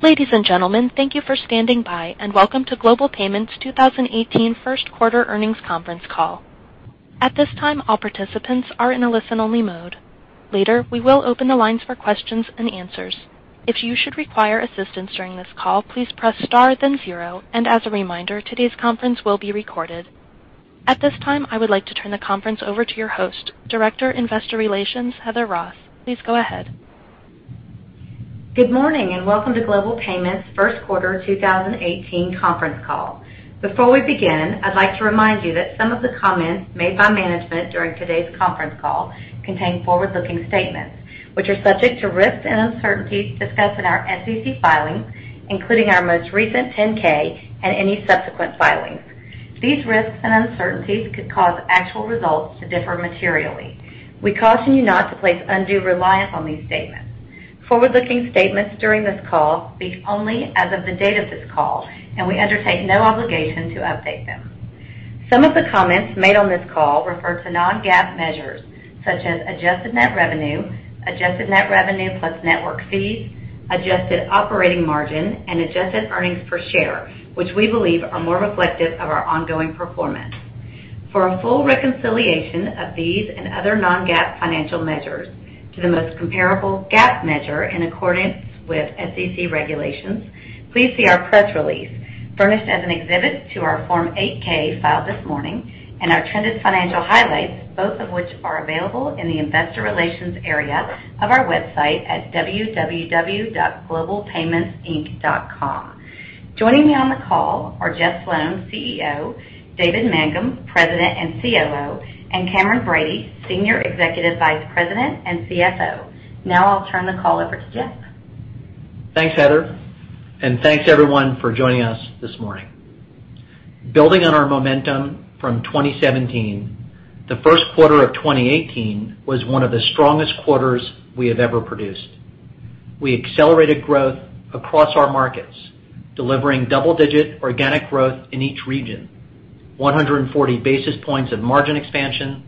Ladies and gentlemen, thank you for standing by and welcome to Global Payments' 2018 first quarter earnings conference call. At this time, all participants are in a listen-only mode. Later, we will open the lines for questions and answers. If you should require assistance during this call, please press star then zero, and as a reminder, today's conference will be recorded. At this time, I would like to turn the conference over to your host, Director Investor Relations, Heather Ross. Please go ahead. Good morning and welcome to Global Payments' first quarter 2018 conference call. Before we begin, I'd like to remind you that some of the comments made by management during today's conference call contain forward-looking statements, which are subject to risks and uncertainties discussed in our SEC filings, including our most recent 10-K and any subsequent filings. These risks and uncertainties could cause actual results to differ materially. We caution you not to place undue reliance on these statements. Forward-looking statements during this call speak only as of the date of this call, and we undertake no obligation to update them. Some of the comments made on this call refer to non-GAAP measures such as adjusted net revenue, adjusted net revenue plus network fees, adjusted operating margin, and adjusted earnings per share, which we believe are more reflective of our ongoing performance. For a full reconciliation of these and other non-GAAP financial measures to the most comparable GAAP measure in accordance with SEC regulations, please see our press release, furnished as an exhibit to our Form 8-K filed this morning and our trended financial highlights, both of which are available in the investor relations area of our website at www.globalpaymentsinc.com. Joining me on the call are Jeff Sloan, CEO, David Mangum, President and COO, and Cameron Bready, Senior Executive Vice President and CFO. Now I'll turn the call over to Jeff. Thanks, Heather, and thanks everyone for joining us this morning. Building on our momentum from 2017, the first quarter of 2018 was one of the strongest quarters we have ever produced. We accelerated growth across our markets, delivering double-digit organic growth in each region, 140 basis points of margin expansion,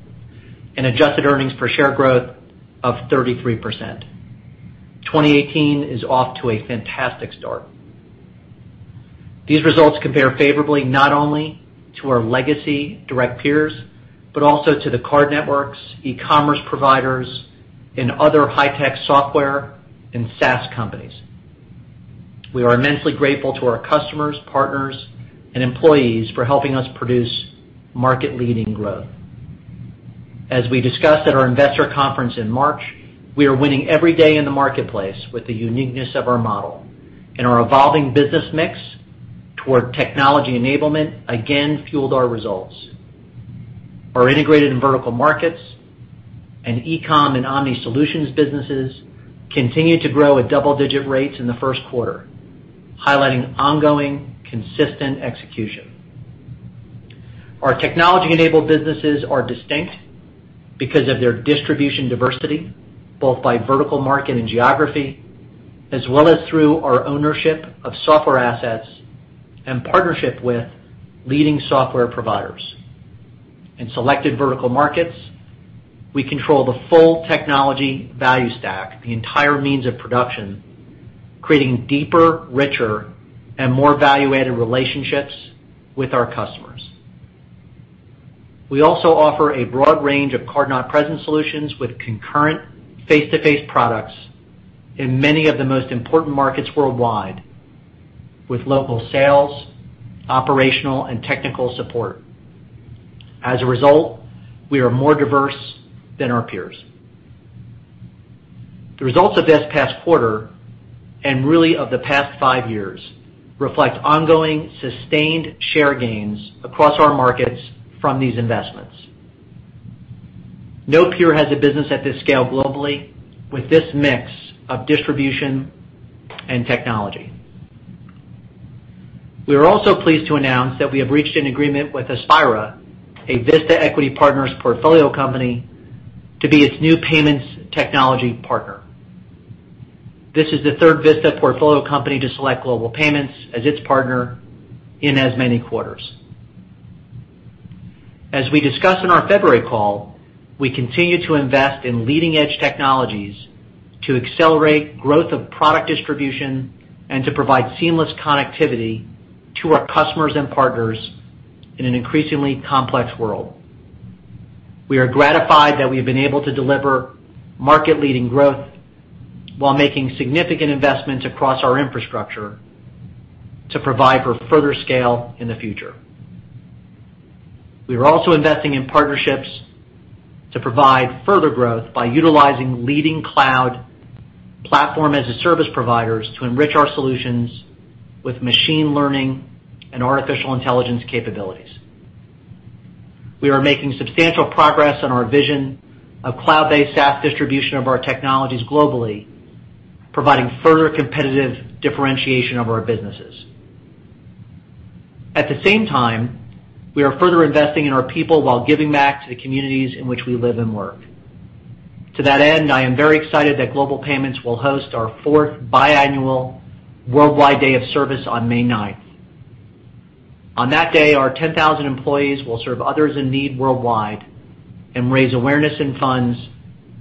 and adjusted earnings per share growth of 33%. 2018 is off to a fantastic start. These results compare favorably not only to our legacy direct peers, but also to the card networks, e-commerce providers, and other high-tech software and SaaS companies. We are immensely grateful to our customers, partners, and employees for helping us produce market-leading growth. As we discussed at our investor conference in March, we are winning every day in the marketplace with the uniqueness of our model, and our evolving business mix toward technology enablement again fueled our results. Our integrated and vertical markets and e-com and omni-solutions businesses continued to grow at double-digit rates in the first quarter, highlighting ongoing consistent execution. Our technology-enabled businesses are distinct because of their distribution diversity, both by vertical market and geography, as well as through our ownership of software assets and partnership with leading software providers. In selected vertical markets, we control the full technology value stack, the entire means of production, creating deeper, richer, and more value-added relationships with our customers. We also offer a broad range of card-not-present solutions with concurrent face-to-face products in many of the most important markets worldwide with local sales, operational, and technical support. As a result, we are more diverse than our peers. The results of this past quarter, and really of the past five years, reflect ongoing sustained share gains across our markets from these investments. No peer has a business at this scale globally with this mix of distribution and technology. We are also pleased to announce that we have reached an agreement with Aspira, a Vista Equity Partners portfolio company, to be its new payments technology partner. This is the third Vista portfolio company to select Global Payments as its partner in as many quarters. As we discussed in our February call, we continue to invest in leading-edge technologies to accelerate growth of product distribution and to provide seamless connectivity to our customers and partners in an increasingly complex world. We are gratified that we have been able to deliver market-leading growth while making significant investments across our infrastructure to provide for further scale in the future. We are also investing in partnerships to provide further growth by utilizing leading cloud platform-as-a-service providers to enrich our solutions with machine learning and artificial intelligence capabilities. We are making substantial progress on our vision of cloud-based SaaS distribution of our technologies globally, providing further competitive differentiation of our businesses. At the same time, we are further investing in our people while giving back to the communities in which we live and work. To that end, I am very excited that Global Payments will host our fourth biannual worldwide day of service on May 9th. On that day, our 10,000 employees will serve others in need worldwide and raise awareness and funds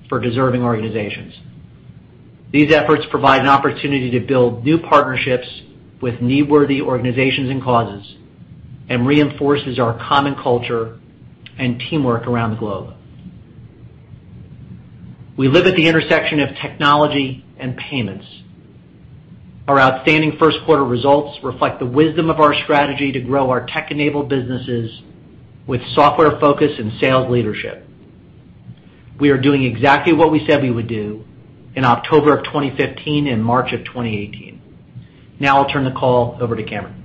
for deserving organizations. These efforts provide an opportunity to build new partnerships with need-worthy organizations and causes, and reinforces our common culture and teamwork around the globe. We live at the intersection of technology and payments. Our outstanding first quarter results reflect the wisdom of our strategy to grow our tech-enabled businesses with software focus and sales leadership. We are doing exactly what we said we would do in October of 2015 and March of 2018. I'll turn the call over to Cameron.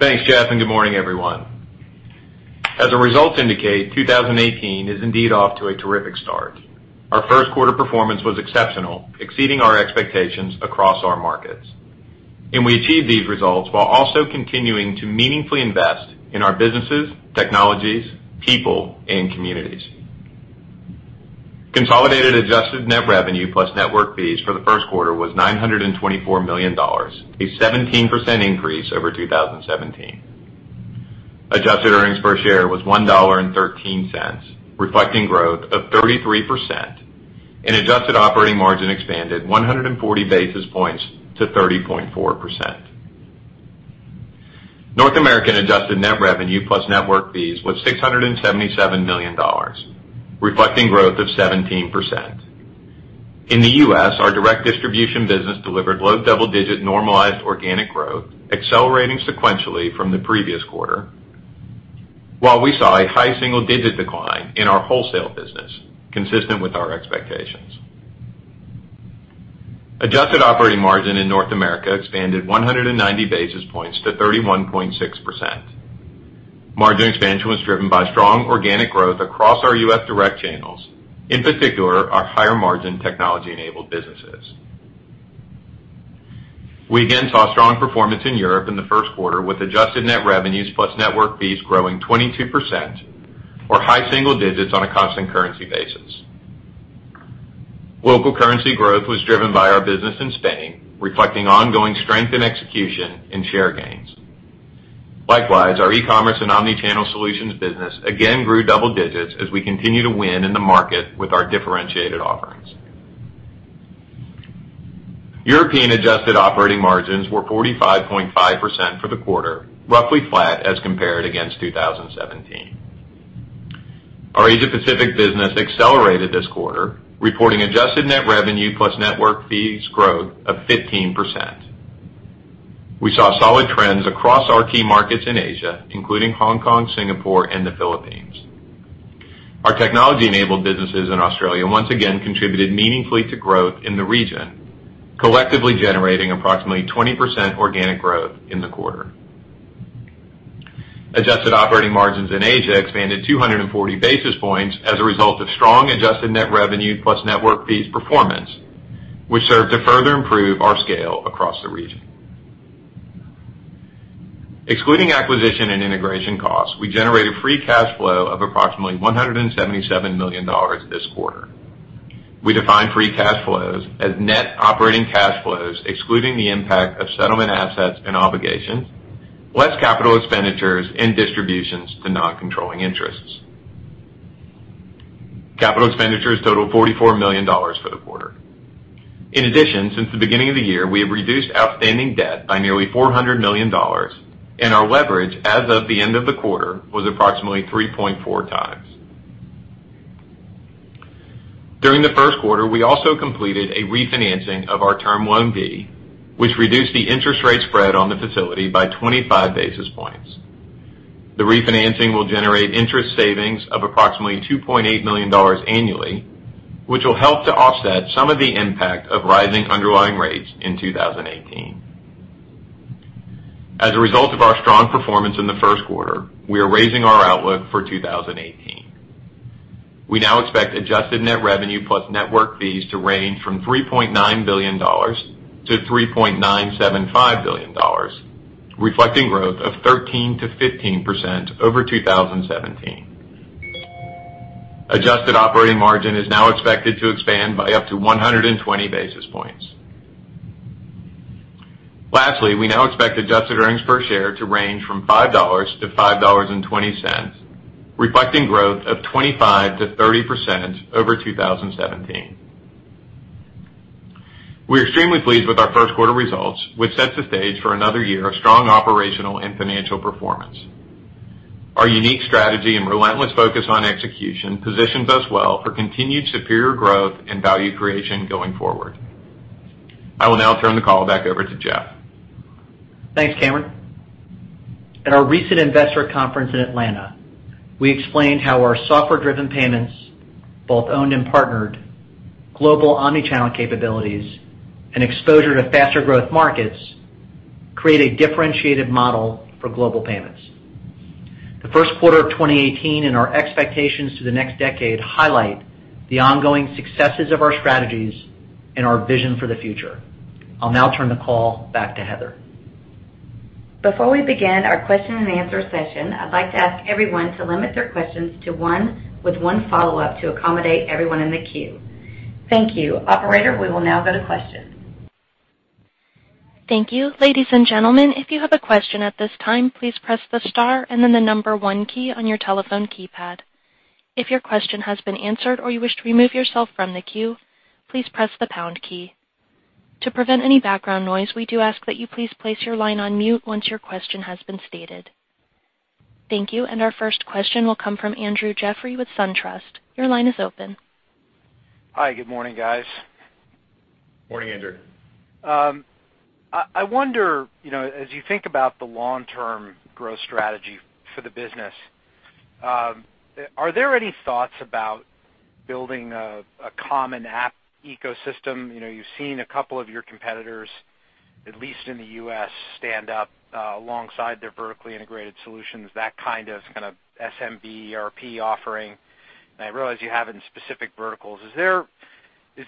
Thanks, Jeff, good morning, everyone. As the results indicate, 2018 is indeed off to a terrific start. Our first quarter performance was exceptional, exceeding our expectations across our markets. We achieved these results while also continuing to meaningfully invest in our businesses, technologies, people, and communities. Consolidated adjusted net revenue plus network fees for the first quarter was $924 million, a 17% increase over 2017. Adjusted earnings per share was $1.13, reflecting growth of 33%, adjusted operating margin expanded 140 basis points to 30.4%. North American adjusted net revenue plus network fees was $677 million, reflecting growth of 17%. In the U.S., our direct distribution business delivered low double-digit normalized organic growth, accelerating sequentially from the previous quarter, while we saw a high single-digit decline in our wholesale business, consistent with our expectations. Adjusted operating margin in North America expanded 190 basis points to 31.6%. Margin expansion was driven by strong organic growth across our U.S. direct channels, in particular, our higher margin technology-enabled businesses. We again saw strong performance in Europe in the first quarter, with adjusted net revenues plus network fees growing 22%, or high single digits on a constant currency basis. Local currency growth was driven by our business in Spain, reflecting ongoing strength in execution and share gains. Likewise, our e-commerce and omni-channel solutions business again grew double digits as we continue to win in the market with our differentiated offerings. European adjusted operating margins were 45.5% for the quarter, roughly flat as compared against 2017. Our Asia Pacific business accelerated this quarter, reporting adjusted net revenue plus network fees growth of 15%. We saw solid trends across our key markets in Asia, including Hong Kong, Singapore, and the Philippines. Our technology-enabled businesses in Australia once again contributed meaningfully to growth in the region, collectively generating approximately 20% organic growth in the quarter. Adjusted operating margins in Asia expanded 240 basis points as a result of strong adjusted net revenue plus network fees performance, which served to further improve our scale across the region. Excluding acquisition and integration costs, we generated free cash flow of approximately $177 million this quarter. We define free cash flows as net operating cash flows, excluding the impact of settlement assets and obligations, less capital expenditures and distributions to non-controlling interests. Capital expenditures total $44 million for the quarter. In addition, since the beginning of the year, we have reduced outstanding debt by nearly $400 million, and our leverage as of the end of the quarter was approximately 3.4 times. During the first quarter, we also completed a refinancing of our Term Loan B, which reduced the interest rate spread on the facility by 25 basis points. The refinancing will generate interest savings of approximately $2.8 million annually, which will help to offset some of the impact of rising underlying rates in 2018. As a result of our strong performance in the first quarter, we are raising our outlook for 2018. We now expect adjusted net revenue plus network fees to range from $3.9 billion-$3.975 billion, reflecting growth of 13%-15% over 2017. Adjusted operating margin is now expected to expand by up to 120 basis points. Lastly, we now expect adjusted earnings per share to range from $5-$5.20, reflecting growth of 25%-30% over 2017. We are extremely pleased with our first quarter results, which sets the stage for another year of strong operational and financial performance. Our unique strategy and relentless focus on execution positions us well for continued superior growth and value creation going forward. I will now turn the call back over to Jeff. Thanks, Cameron. At our recent investor conference in Atlanta, we explained how our software-driven payments, both owned and partnered, global omni-channel capabilities, and exposure to faster growth markets, create a differentiated model for Global Payments. The first quarter of 2018 and our expectations through the next decade highlight the ongoing successes of our strategies and our vision for the future. I'll now turn the call back to Heather. Before we begin our question and answer session, I'd like to ask everyone to limit their questions to one with one follow-up to accommodate everyone in the queue. Thank you. Operator, we will now go to questions. Thank you. Ladies and gentlemen, if you have a question at this time, please press the star and then the number one key on your telephone keypad. If your question has been answered or you wish to remove yourself from the queue, please press the pound key. To prevent any background noise, we do ask that you please place your line on mute once your question has been stated. Thank you. Our first question will come from Andrew Jeffrey with SunTrust. Your line is open. Hi, good morning, guys. Morning, Andrew. I wonder, as you think about the long-term growth strategy for the business, are there any thoughts about building a common app ecosystem? You've seen a couple of your competitors, at least in the U.S., stand up alongside their vertically integrated solutions, that kind of SMB ERP offering. I realize you have it in specific verticals. Is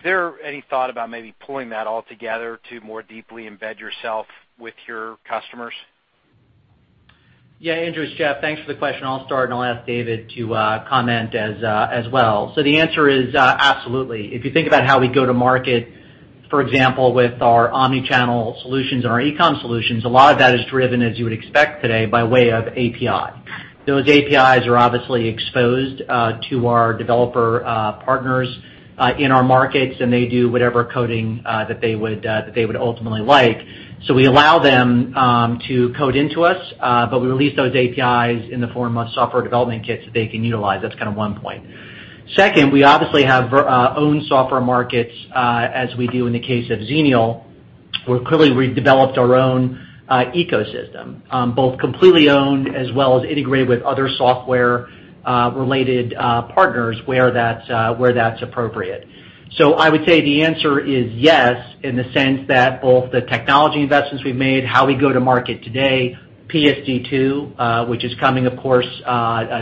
there any thought about maybe pulling that all together to more deeply embed yourself with your customers? Andrew, it's Jeff. Thanks for the question. I'll start, and I'll ask David to comment as well. The answer is absolutely. If you think about how we go to market, for example, with our omni-channel solutions and our e-com solutions, a lot of that is driven, as you would expect today, by way of API. Those APIs are obviously exposed to our developer partners in our markets, and they do whatever coding that they would ultimately like. We allow them to code into us, but we release those APIs in the form of software development kits that they can utilize. That's kind of one point. Second, we obviously have our own software markets as we do in the case of Xenial, where clearly we've developed our own ecosystem, both completely owned as well as integrated with other software-related partners where that's appropriate. I would say the answer is yes, in the sense that both the technology investments we've made, how we go to market today, PSD2 which is coming, of course,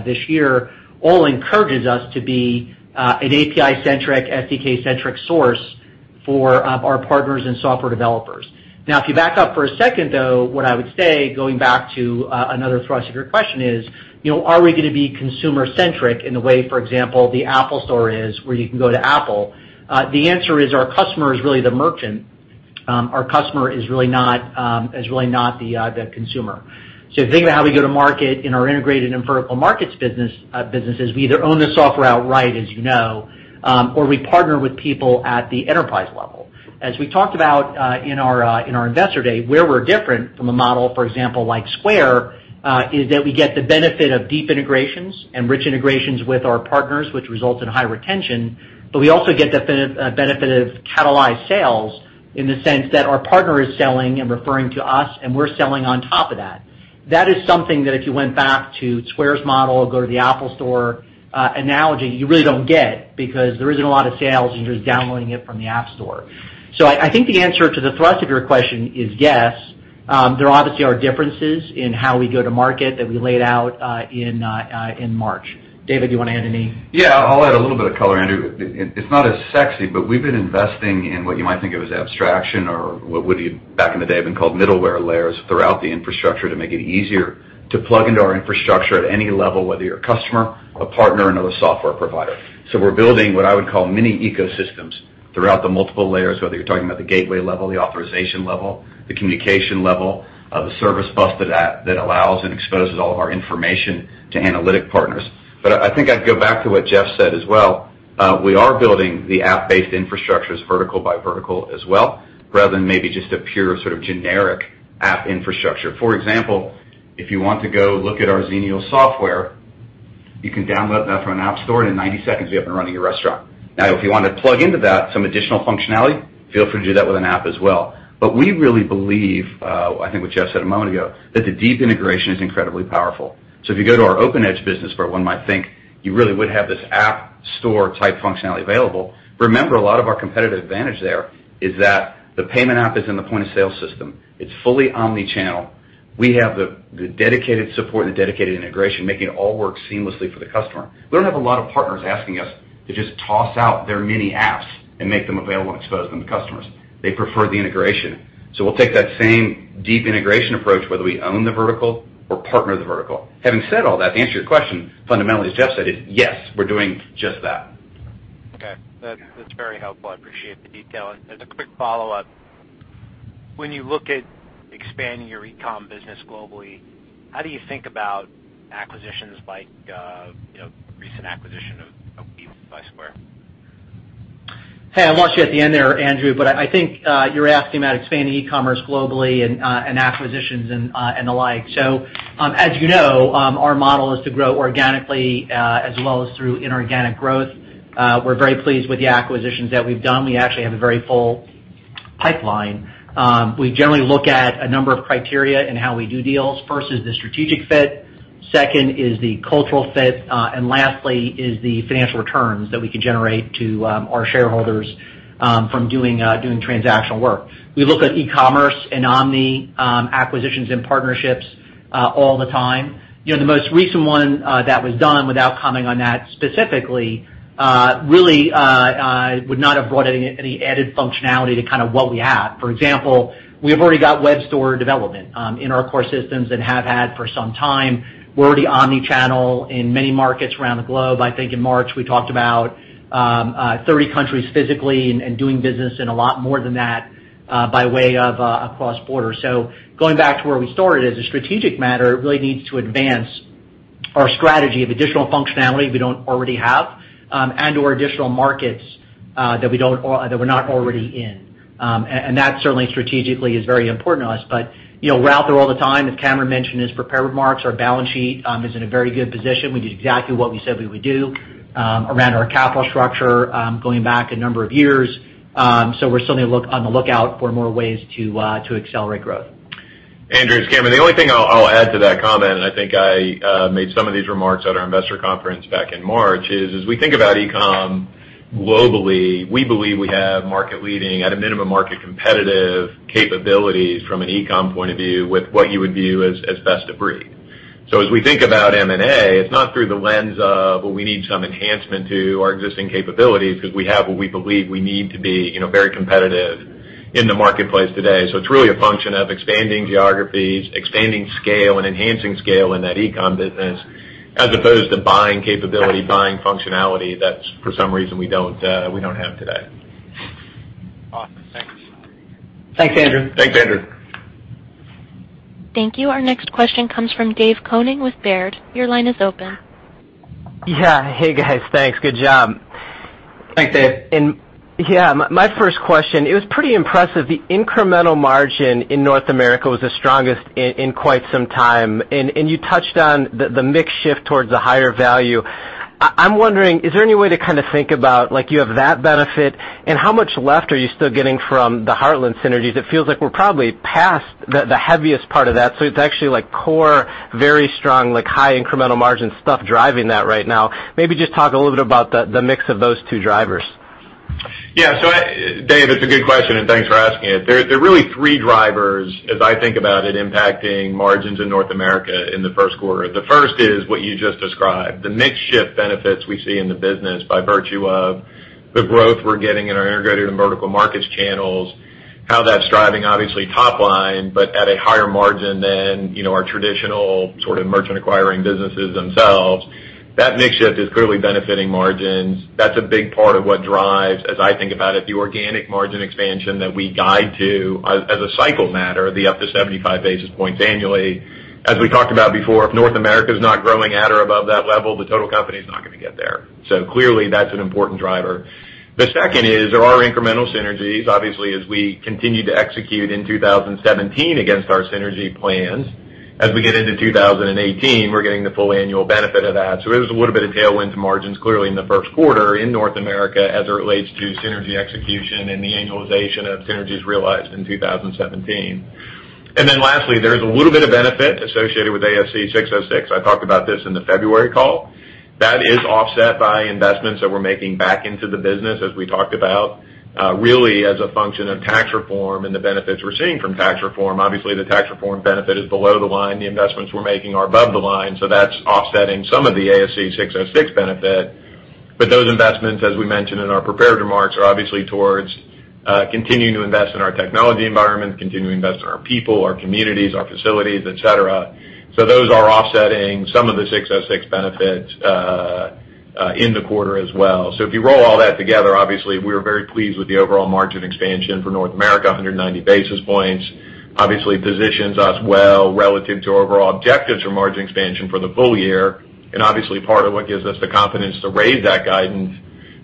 this year, all encourages us to be an API-centric, SDK-centric source for our partners and software developers. If you back up for a second, though, what I would say, going back to another thrust of your question is, are we going to be consumer-centric in the way, for example, the Apple Store is, where you can go to Apple? The answer is our customer is really the merchant. Our customer is really not the consumer. If you think about how we go to market in our integrated and vertical markets businesses, we either own the software outright, as you know, or we partner with people at the enterprise level. As we talked about in our investor day, where we're different from a model, for example, like Square, is that we get the benefit of deep integrations and rich integrations with our partners, which results in high retention, but we also get the benefit of catalyzed sales in the sense that our partner is selling and referring to us, and we're selling on top of that. That is something that if you went back to Square's model or go to the Apple Store analogy, you really don't get because there isn't a lot of sales and just downloading it from the App Store. I think the answer to the thrust of your question is yes. There obviously are differences in how we go to market that we laid out in March. David, do you want to add any? I'll add a little bit of color, Andrew. It's not as sexy, but we've been investing in what you might think of as abstraction or what would back in the day have been called middleware layers throughout the infrastructure to make it easier to plug into our infrastructure at any level, whether you're a customer, a partner, another software provider. We're building what I would call mini ecosystems throughout the multiple layers, whether you're talking about the gateway level, the authorization level, the communication level, the service bus that allows and exposes all of our information to analytic partners. I think I'd go back to what Jeff said as well. We are building the app-based infrastructures vertical by vertical as well, rather than maybe just a pure sort of generic app infrastructure. For example, if you want to go look at our Xenial software, you can download that from an App Store, in 90 seconds be up and running your restaurant. If you want to plug into that some additional functionality, feel free to do that with an app as well. We really believe, I think what Jeff said a moment ago, that the deep integration is incredibly powerful. If you go to our OpenEdge business, where one might think you really would have this App Store type functionality available, remember, a lot of our competitive advantage there is that the payment app is in the point-of-sale system. It's fully omni-channel. We have the dedicated support and the dedicated integration, making it all work seamlessly for the customer. We don't have a lot of partners asking us to just toss out their mini apps and make them available and expose them to customers. They prefer the integration. We'll take that same deep integration approach, whether we own the vertical or partner the vertical. Having said all that, to answer your question, fundamentally, as Jeff said, is yes, we're doing just that. Okay. That's very helpful. I appreciate the detail. As a quick follow-up, when you look at expanding your e-com business globally, how do you think about acquisitions like recent acquisition of Weebly by Square? Hey, I lost you at the end there, Andrew, I think you're asking about expanding e-commerce globally and acquisitions and the like. As you know, our model is to grow organically as well as through inorganic growth. We're very pleased with the acquisitions that we've done. We actually have a very full pipeline. We generally look at a number of criteria in how we do deals. First is the strategic fit, second is the cultural fit, and lastly is the financial returns that we could generate to our shareholders from doing transactional work. We look at e-commerce and omni acquisitions and partnerships all the time. The most recent one that was done, without commenting on that specifically, really would not have brought any added functionality to kind of what we have. For example, we've already got web store development in our core systems and have had for some time. We're already omni-channel in many markets around the globe. I think in March, we talked about 30 countries physically and doing business in a lot more than that by way of across border. Going back to where we started, as a strategic matter, it really needs to advance our strategy of additional functionality we don't already have and or additional markets that we're not already in. That certainly strategically is very important to us. We're out there all the time. As Cameron mentioned in his prepared remarks, our balance sheet is in a very good position. We did exactly what we said we would do around our capital structure going back a number of years. We're certainly on the lookout for more ways to accelerate growth. Andrew, it's Cameron. The only thing I'll add to that comment, and I think I made some of these remarks at our investor conference back in March, is as we think about e-com globally, we believe we have market leading, at a minimum market competitive capabilities from an e-com point of view with what you would view as best of breed. As we think about M&A, it's not through the lens of, well, we need some enhancement to our existing capabilities because we have what we believe we need to be very competitive in the marketplace today. It's really a function of expanding geographies, expanding scale, and enhancing scale in that e-com business as opposed to buying capability, buying functionality that for some reason we don't have today. Awesome. Thanks. Thanks, Andrew. Thanks, Andrew. Thank you. Our next question comes from David Koning with Baird. Your line is open. Yeah. Hey, guys. Thanks. Good job. Thanks, Dave. Yeah, my first question, it was pretty impressive. The incremental margin in North America was the strongest in quite some time. You touched on the mix shift towards the higher value. I'm wondering, is there any way to think about like you have that benefit and how much left are you still getting from the Heartland synergies? It feels like we're probably past the heaviest part of that. It's actually core, very strong, high incremental margin stuff driving that right now. Maybe just talk a little bit about the mix of those two drivers. Yeah. Dave, it's a good question, and thanks for asking it. There are really three drivers as I think about it, impacting margins in North America in the first quarter. The first is what you just described, the mix shift benefits we see in the business by virtue of the growth we're getting in our integrated and vertical markets channels, how that's driving obviously top line, but at a higher margin than our traditional merchant acquiring businesses themselves. That mix shift is clearly benefiting margins. That's a big part of what drives, as I think about it, the organic margin expansion that we guide to as a cycle matter, the up to 75 basis points annually. As we talked about before, if North America is not growing at or above that level, the total company is not going to get there. Clearly that's an important driver. The second is there are incremental synergies, obviously, as we continue to execute in 2017 against our synergy plans. As we get into 2018, we're getting the full annual benefit of that. There's a little bit of tailwind to margins clearly in the first quarter in North America as it relates to synergy execution and the annualization of synergies realized in 2017. Then lastly, there is a little bit of benefit associated with ASC 606. I talked about this in the February call. That is offset by investments that we're making back into the business as we talked about really as a function of tax reform and the benefits we're seeing from tax reform. Obviously, the tax reform benefit is below the line. The investments we're making are above the line. That's offsetting some of the ASC 606 benefit. Those investments, as we mentioned in our prepared remarks, are obviously towards continuing to invest in our technology environment, continue to invest in our people, our communities, our facilities, et cetera. Those are offsetting some of the 606 benefits in the quarter as well. If you roll all that together, obviously, we are very pleased with the overall margin expansion for North America, 190 basis points. Obviously positions us well relative to our overall objectives for margin expansion for the full year. Obviously part of what gives us the confidence to raise that guidance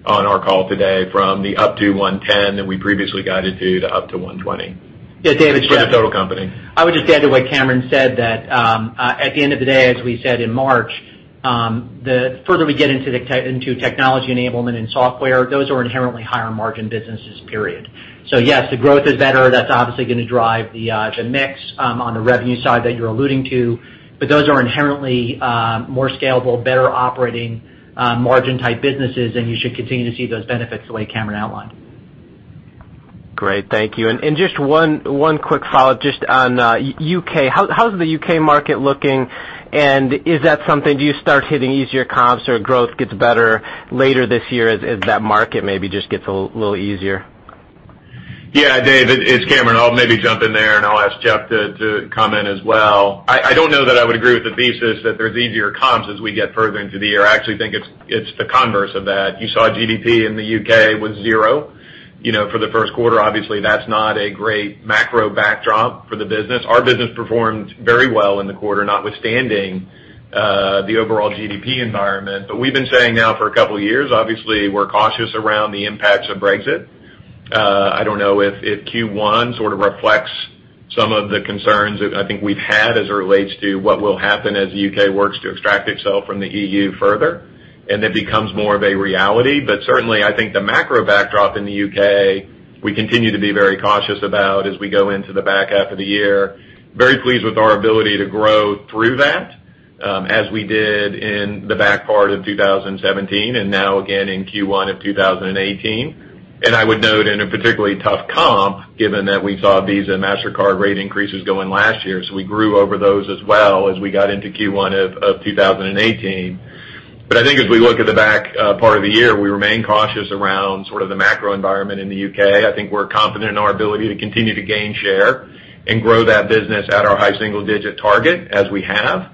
on our call today from the up to 110 that we previously guided to up to 120. Yeah, Dave. For the total company. I would just add to what Cameron said that at the end of the day, as we said in March, the further we get into technology enablement and software, those are inherently higher margin businesses, period. Yes, the growth is better. That's obviously going to drive the mix on the revenue side that you're alluding to. Those are inherently more scalable, better operating margin-type businesses, and you should continue to see those benefits the way Cameron outlined. Great. Thank you. Just one quick follow-up just on UK. How's the UK market looking, do you start hitting easier comps or growth gets better later this year as that market maybe just gets a little easier? Yeah, Dave, it's Cameron. I'll maybe jump in there and I'll ask Jeff to comment as well. I don't know that I would agree with the thesis that there's easier comps as we get further into the year. I actually think it's the converse of that. You saw GDP in the U.K. was zero for the first quarter. Obviously, that's not a great macro backdrop for the business. Our business performed very well in the quarter, notwithstanding the overall GDP environment. We've been saying now for a couple of years, obviously, we're cautious around the impacts of Brexit. I don't know if Q1 sort of reflects some of the concerns that I think we've had as it relates to what will happen as the U.K. works to extract itself from the EU further, and it becomes more of a reality. Certainly, I think the macro backdrop in the U.K., we continue to be very cautious about as we go into the back half of the year. Very pleased with our ability to grow through that as we did in the back part of 2017 and now again in Q1 of 2018. I would note in a particularly tough comp, given that we saw Visa, MasterCard rate increases go in last year. We grew over those as well as we got into Q1 of 2018. I think as we look at the back part of the year, we remain cautious around sort of the macro environment in the U.K. I think we're confident in our ability to continue to gain share and grow that business at our high single-digit target as we have.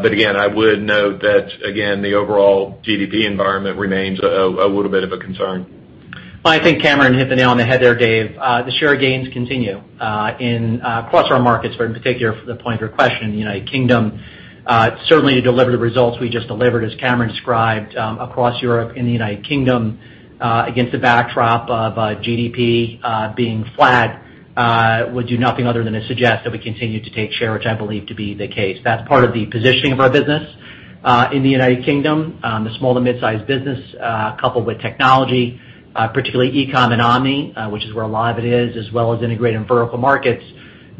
Again, I would note that the overall GDP environment remains a little bit of a concern. I think Cameron hit the nail on the head there, Dave. The share gains continue across our markets, but in particular for the point of your question, the U.K. Certainly to deliver the results we just delivered, as Cameron described, across Europe and the U.K., against the backdrop of GDP being flat, would do nothing other than to suggest that we continue to take share, which I believe to be the case. That's part of the positioning of our business in the U.K., the small to mid-size business, coupled with technology, particularly e-com and omni, which is where a lot of it is, as well as integrated and vertical markets.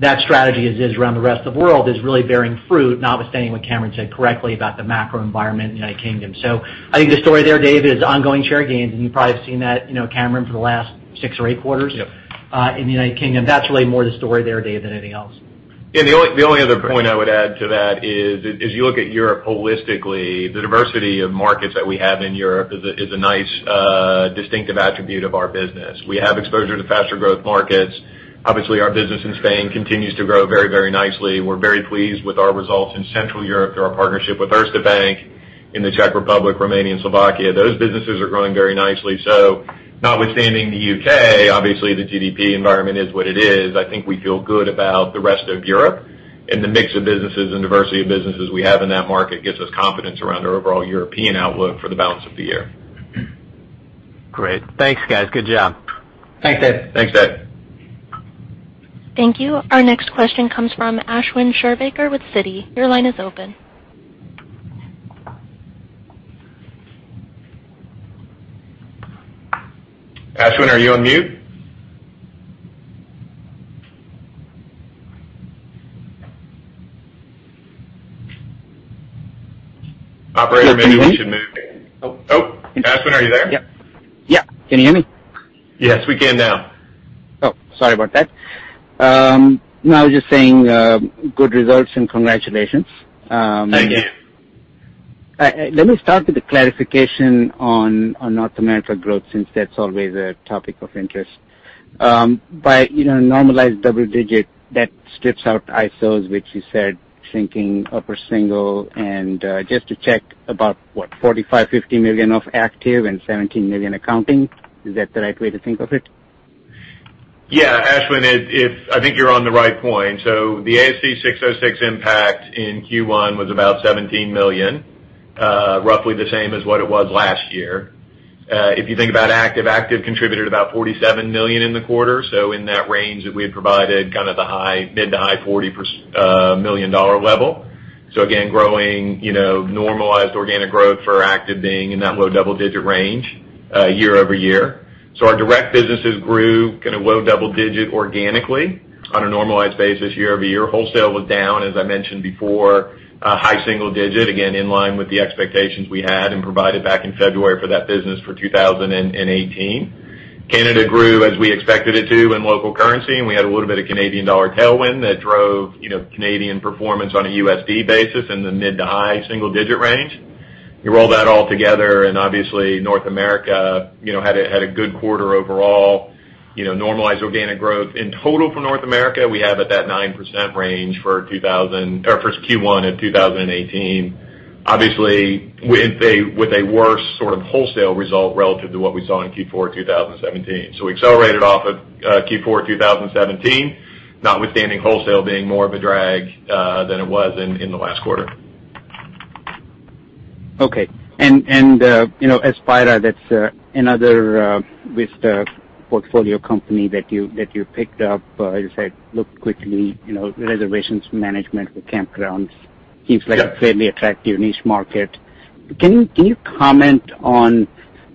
That strategy, as is around the rest of the world, is really bearing fruit, notwithstanding what Cameron said correctly about the macro environment in the U.K. I think the story there, Dave, is ongoing share gains, and you've probably seen that, Cameron, for the last six or eight quarters. Yep In the United Kingdom. That's really more the story there, Dave, than anything else. The only other point I would add to that is, as you look at Europe holistically, the diversity of markets that we have in Europe is a nice distinctive attribute of our business. We have exposure to faster growth markets. Obviously, our business in Spain continues to grow very nicely. We're very pleased with our results in Central Europe through our partnership with Erste Bank in the Czech Republic, Romania, and Slovakia. Those businesses are growing very nicely. Notwithstanding the U.K., obviously the GDP environment is what it is. I think we feel good about the rest of Europe, and the mix of businesses and diversity of businesses we have in that market gives us confidence around our overall European outlook for the balance of the year. Great. Thanks, guys. Good job. Thanks, Dave. Thanks, Dave. Thank you. Our next question comes from Ashwin Shirvaikar with Citi. Your line is open. Ashwin, are you on mute? Operator, maybe we should mute- Oh. Oh, Ashwin, are you there? Yep. Yeah. Can you hear me? Yes, we can now. Oh, sorry about that. No, I was just saying good results and congratulations. Thank you. Let me start with the clarification on North America growth, since that's always a topic of interest. By normalized double digit, that strips out ISOs, which you said shrinking upper single, and just to check about what, $45 million, $50 million of ACTIVE and $17 million accounting? Is that the right way to think of it? Ashwin, I think you're on the right point. The ASC 606 impact in Q1 was about $17 million. Roughly the same as what it was last year. If you think about ACTIVE contributed about $47 million in the quarter. In that range that we had provided, kind of the mid to high $40 million level. Again, growing normalized organic growth for ACTIVE being in that low double-digit range year-over-year. Our direct businesses grew low double-digit organically on a normalized basis year-over-year. Wholesale was down, as I mentioned before, high single-digit, again in line with the expectations we had and provided back in February for that business for 2018. Canada grew as we expected it to in local currency, and we had a little bit of Canadian dollar tailwind that drove Canadian performance on a USD basis in the mid to high single-digit range. You roll that all together and obviously North America had a good quarter overall. Normalized organic growth in total for North America, we have at that 9% range for Q1 in 2018. Obviously, with a worse sort of wholesale result relative to what we saw in Q4 2017. We accelerated off of Q4 2017, notwithstanding wholesale being more of a drag than it was in the last quarter. Okay. Aspira, that's another Vista portfolio company that you picked up. As I said, looked quickly, reservations management for campgrounds seems like a fairly attractive niche market. Can you comment on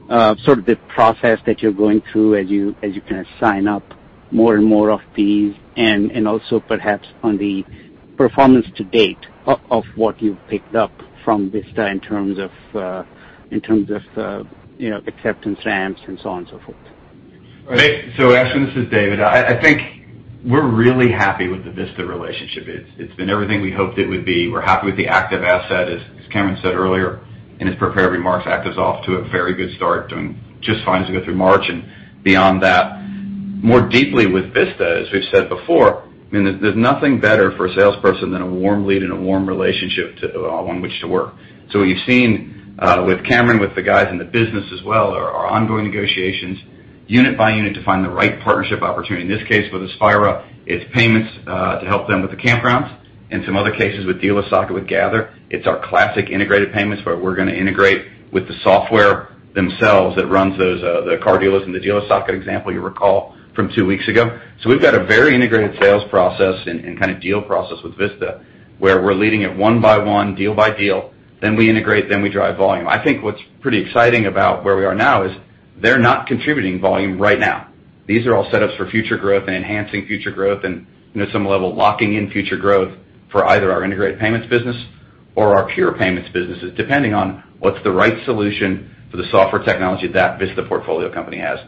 sort of the process that you're going through as you kind of sign up more and more of these, and also perhaps on the performance to date of what you've picked up from Vista in terms of acceptance ramps and so on and so forth? Ashwin, this is David. I think we're really happy with the Vista relationship. It's been everything we hoped it would be. We're happy with the ACTIVE asset, as Cameron said earlier in his prepared remarks. ACTIVE's off to a very good start, doing just fine as we go through March and beyond that. More deeply with Vista, as we've said before, there's nothing better for a salesperson than a warm lead and a warm relationship on which to work. What you've seen with Cameron, with the guys in the business as well, are ongoing negotiations unit by unit to find the right partnership opportunity. In this case with Aspira, it's payments to help them with the campgrounds. In some other cases with DealerSocket with Gather, it's our classic integrated payments where we're going to integrate with the software themselves that runs the car dealers in the DealerSocket example you recall from two weeks ago. We've got a very integrated sales process and kind of deal process with Vista, where we're leading it one by one, deal by deal, then we integrate, then we drive volume. I think what's pretty exciting about where we are now is they're not contributing volume right now. These are all set-ups for future growth and enhancing future growth and, to some level, locking in future growth for either our integrated payments business or our pure payments businesses, depending on what's the right solution for the software technology that Vista portfolio company has.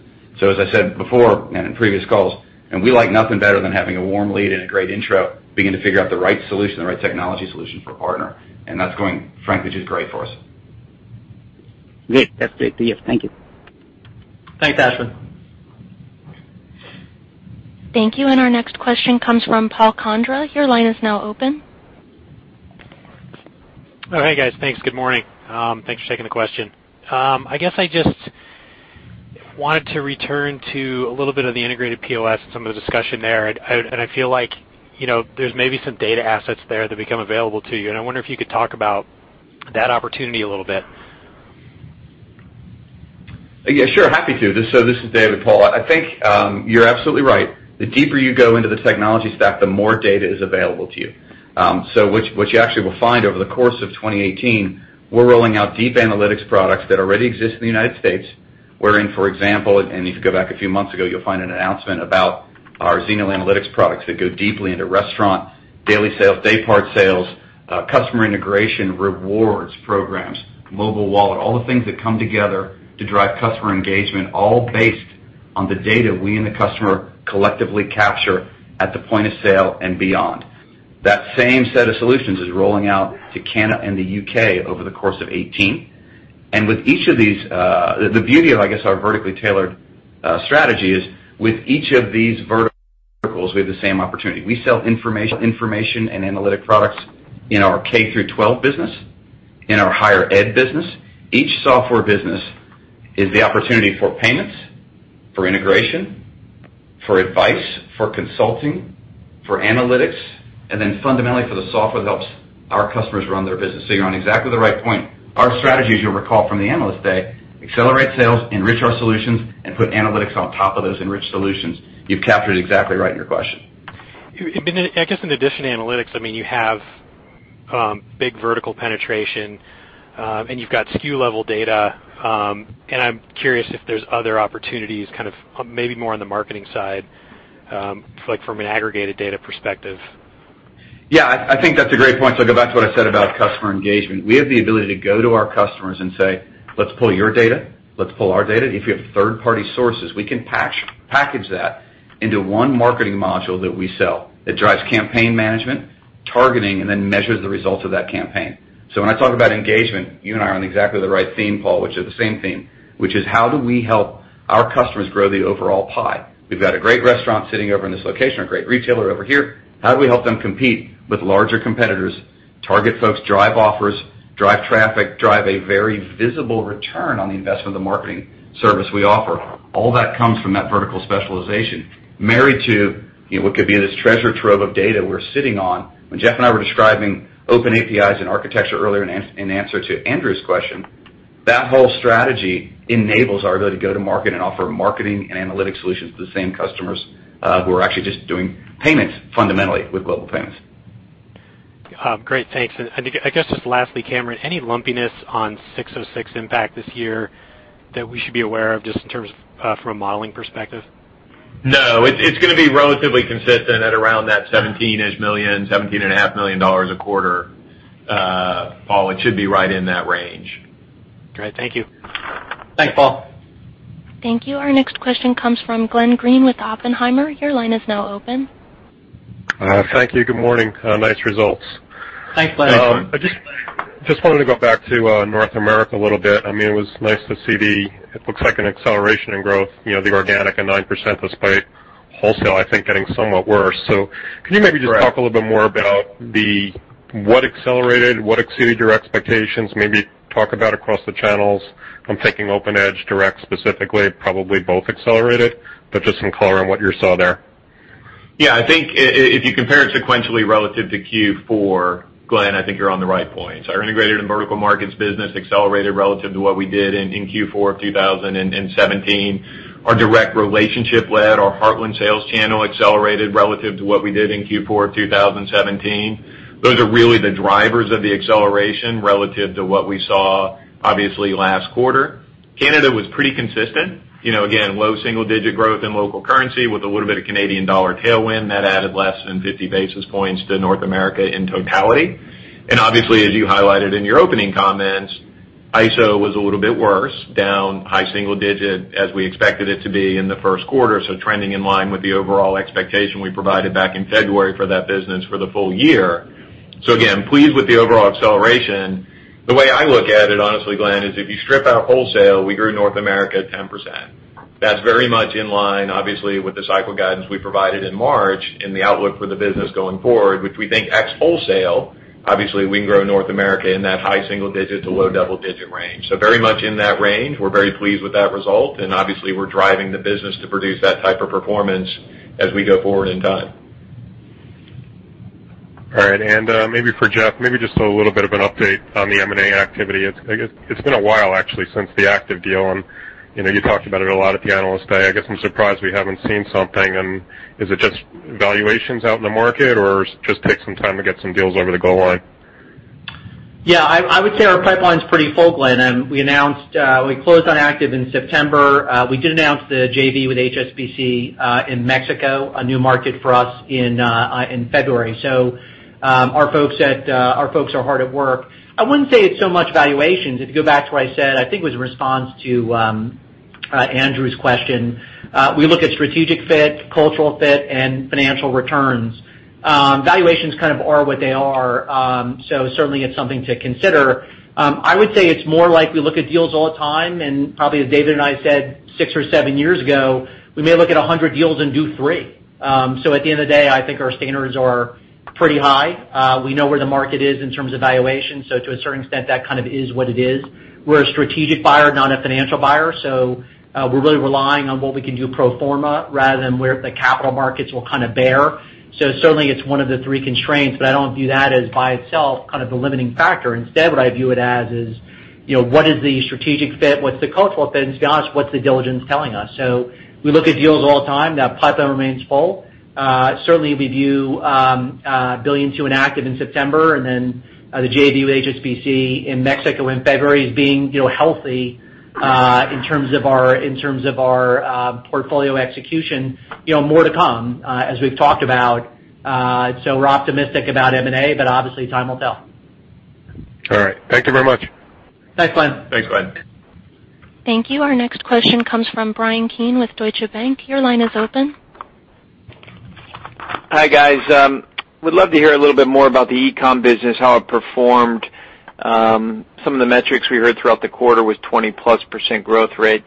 As I said before and in previous calls, we like nothing better than having a warm lead and a great intro, begin to figure out the right solution, the right technology solution for a partner. That's going, frankly, just great for us. Great. That's great to hear. Thank you. Thanks, Ashwin. Thank you. Our next question comes from Paul Condra. Your line is now open. Hey, guys. Thanks. Good morning. Thanks for taking the question. I guess I just wanted to return to a little bit of the integrated POS and some of the discussion there. I feel like there's maybe some data assets there that become available to you, and I wonder if you could talk about that opportunity a little bit. Yeah, sure. Happy to. This is David, Paul. I think you're absolutely right. The deeper you go into the technology stack, the more data is available to you. What you actually will find over the course of 2018, we're rolling out deep analytics products that already exist in the U.S., wherein, for example, and if you go back a few months ago, you'll find an announcement about our Zeno analytics products that go deeply into restaurant daily sales, day part sales, customer integration, rewards programs, mobile wallet, all the things that come together to drive customer engagement, all based on the data we and the customer collectively capture at the point of sale and beyond. That same set of solutions is rolling out to Canada and the U.K. over the course of 2018. The beauty of, I guess, our vertically tailored strategy is with each of these verticals, we have the same opportunity. We sell information and analytic products in our K-12 business, in our higher ed business. Each software business is the opportunity for payments, for integration, for advice, for consulting, for analytics, fundamentally for the software that helps our customers run their business. You're on exactly the right point. Our strategy, as you'll recall from the Analyst Day, accelerate sales, enrich our solutions, and put analytics on top of those enriched solutions. You've captured it exactly right in your question. I guess in addition to analytics, you have big vertical penetration, and you've got SKU-level data. I'm curious if there's other opportunities maybe more on the marketing side, from an aggregated data perspective. Yeah, I think that's a great point. Go back to what I said about customer engagement. We have the ability to go to our customers and say, "Let's pull your data. Let's pull our data." If you have third-party sources, we can package that into one marketing module that we sell that drives campaign management, targeting, measures the results of that campaign. When I talk about engagement, you and I are on exactly the right theme, Paul, which is the same theme. How do we help our customers grow the overall pie? We've got a great restaurant sitting over in this location, a great retailer over here. How do we help them compete with larger competitors, target folks, drive offers, drive traffic, drive a very visible return on the investment of the marketing service we offer? All that comes from that vertical specialization, married to what could be this treasure trove of data we're sitting on. When Jeff and I were describing open APIs and architecture earlier in answer to Andrew's question, that whole strategy enables our ability to go to market and offer marketing and analytic solutions to the same customers who are actually just doing payments fundamentally with Global Payments. Great. Thanks. I guess just lastly, Cameron, any lumpiness on 606 impact this year that we should be aware of just in terms from a modeling perspective? No, it's going to be relatively consistent at around that $17-ish million, $17.5 million a quarter. Paul, it should be right in that range. Great. Thank you. Thanks, Paul. Thank you. Our next question comes from Glenn Greene with Oppenheimer. Your line is now open. Thank you. Good morning. Nice results. Thanks, Glenn. I just wanted to go back to North America a little bit. It was nice to see it looks like an acceleration in growth, the organic at 9% despite wholesale, I think, getting somewhat worse. Could you maybe just talk- Correct a little bit more about what accelerated, what exceeded your expectations? Maybe talk about across the channels. I'm thinking OpenEdge direct specifically, probably both accelerated, but just some color on what you saw there. Yeah, I think if you compare it sequentially relative to Q4, Glenn, I think you're on the right point. Our integrated and vertical markets business accelerated relative to what we did in Q4 of 2017. Our direct relationship led, our Heartland sales channel accelerated relative to what we did in Q4 of 2017. Those are really the drivers of the acceleration relative to what we saw obviously last quarter. Canada was pretty consistent. Again, low single-digit growth in local currency with a little bit of Canadian dollar tailwind. That added less than 50 basis points to North America in totality. Obviously, as you highlighted in your opening comments, ISO was a little bit worse, down high single digit as we expected it to be in the first quarter. Trending in line with the overall expectation we provided back in February for that business for the full year. Again, pleased with the overall acceleration. The way I look at it, honestly, Glenn, is if you strip out wholesale, we grew North America at 10%. That's very much in line, obviously, with the cycle guidance we provided in March and the outlook for the business going forward, which we think ex wholesale, obviously, we can grow North America in that high single digit to low double-digit range. Very much in that range. We're very pleased with that result. Obviously, we're driving the business to produce that type of performance as we go forward in time. All right. Maybe for Jeff, maybe just a little bit of an update on the M&A activity. It's been a while, actually, since the ACTIVE deal, and you talked about it a lot at the Analyst Day. I guess I'm surprised we haven't seen something. Is it just valuations out in the market, or does it just take some time to get some deals over the goal line? Yeah, I would say our pipeline's pretty full, Glenn. We closed on ACTIVE in September. We did announce the JV with HSBC in Mexico, a new market for us, in February. Our folks are hard at work. I wouldn't say it's so much valuations. If you go back to what I said, I think it was in response to Andrew's question. We look at strategic fit, cultural fit, and financial returns. Valuations kind of are what they are. Certainly it's something to consider. I would say it's more like we look at deals all the time, and probably as David and I said six or seven years ago, we may look at 100 deals and do three. At the end of the day, I think our standards are pretty high. We know where the market is in terms of valuation. To a certain extent, that kind of is what it is. We're a strategic buyer, not a financial buyer, so we're really relying on what we can do pro forma rather than where the capital markets will kind of bear. Certainly it's one of the three constraints, but I don't view that as by itself kind of the limiting factor. Instead, what I view it as is, what is the strategic fit? What's the cultural fit? Gosh, what's the diligence telling us? We look at deals all the time. That pipeline remains full. Certainly we view $1 billion to Active in September, and then the JV with HSBC in Mexico in February as being healthy in terms of our portfolio execution, more to come as we've talked about. We're optimistic about M&A, but obviously time will tell. All right. Thank you very much. Thanks, Glenn. Thanks, Glenn. Thank you. Our next question comes from Bryan Keane with Deutsche Bank. Your line is open. Hi, guys. Would love to hear a little bit more about the e-com business, how it performed. Some of the metrics we heard throughout the quarter was 20+% growth rate.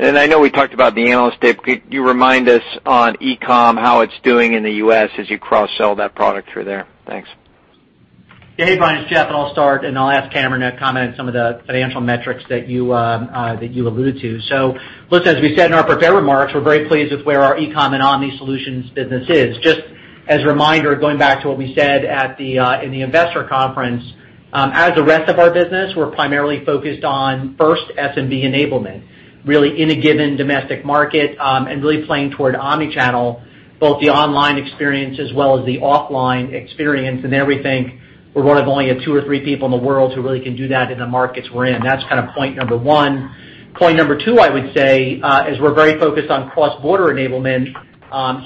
I know we talked about the analyst day. Could you remind us on e-com how it's doing in the U.S. as you cross-sell that product through there? Thanks. Hey, Bryan, it's Jeff, and I'll start, and I'll ask Cameron to comment on some of the financial metrics that you alluded to. Listen, as we said in our prepared remarks, we're very pleased with where our e-com and omni solutions business is. Just as a reminder, going back to what we said in the investor conference, as a rest of our business, we're primarily focused on first SMB enablement, really in a given domestic market, and really playing toward omni-channel, both the online experience as well as the offline experience and everything. We're one of only two or three people in the world who really can do that in the markets we're in. That's kind of point number one. Point number two, I would say, is we're very focused on cross-border enablement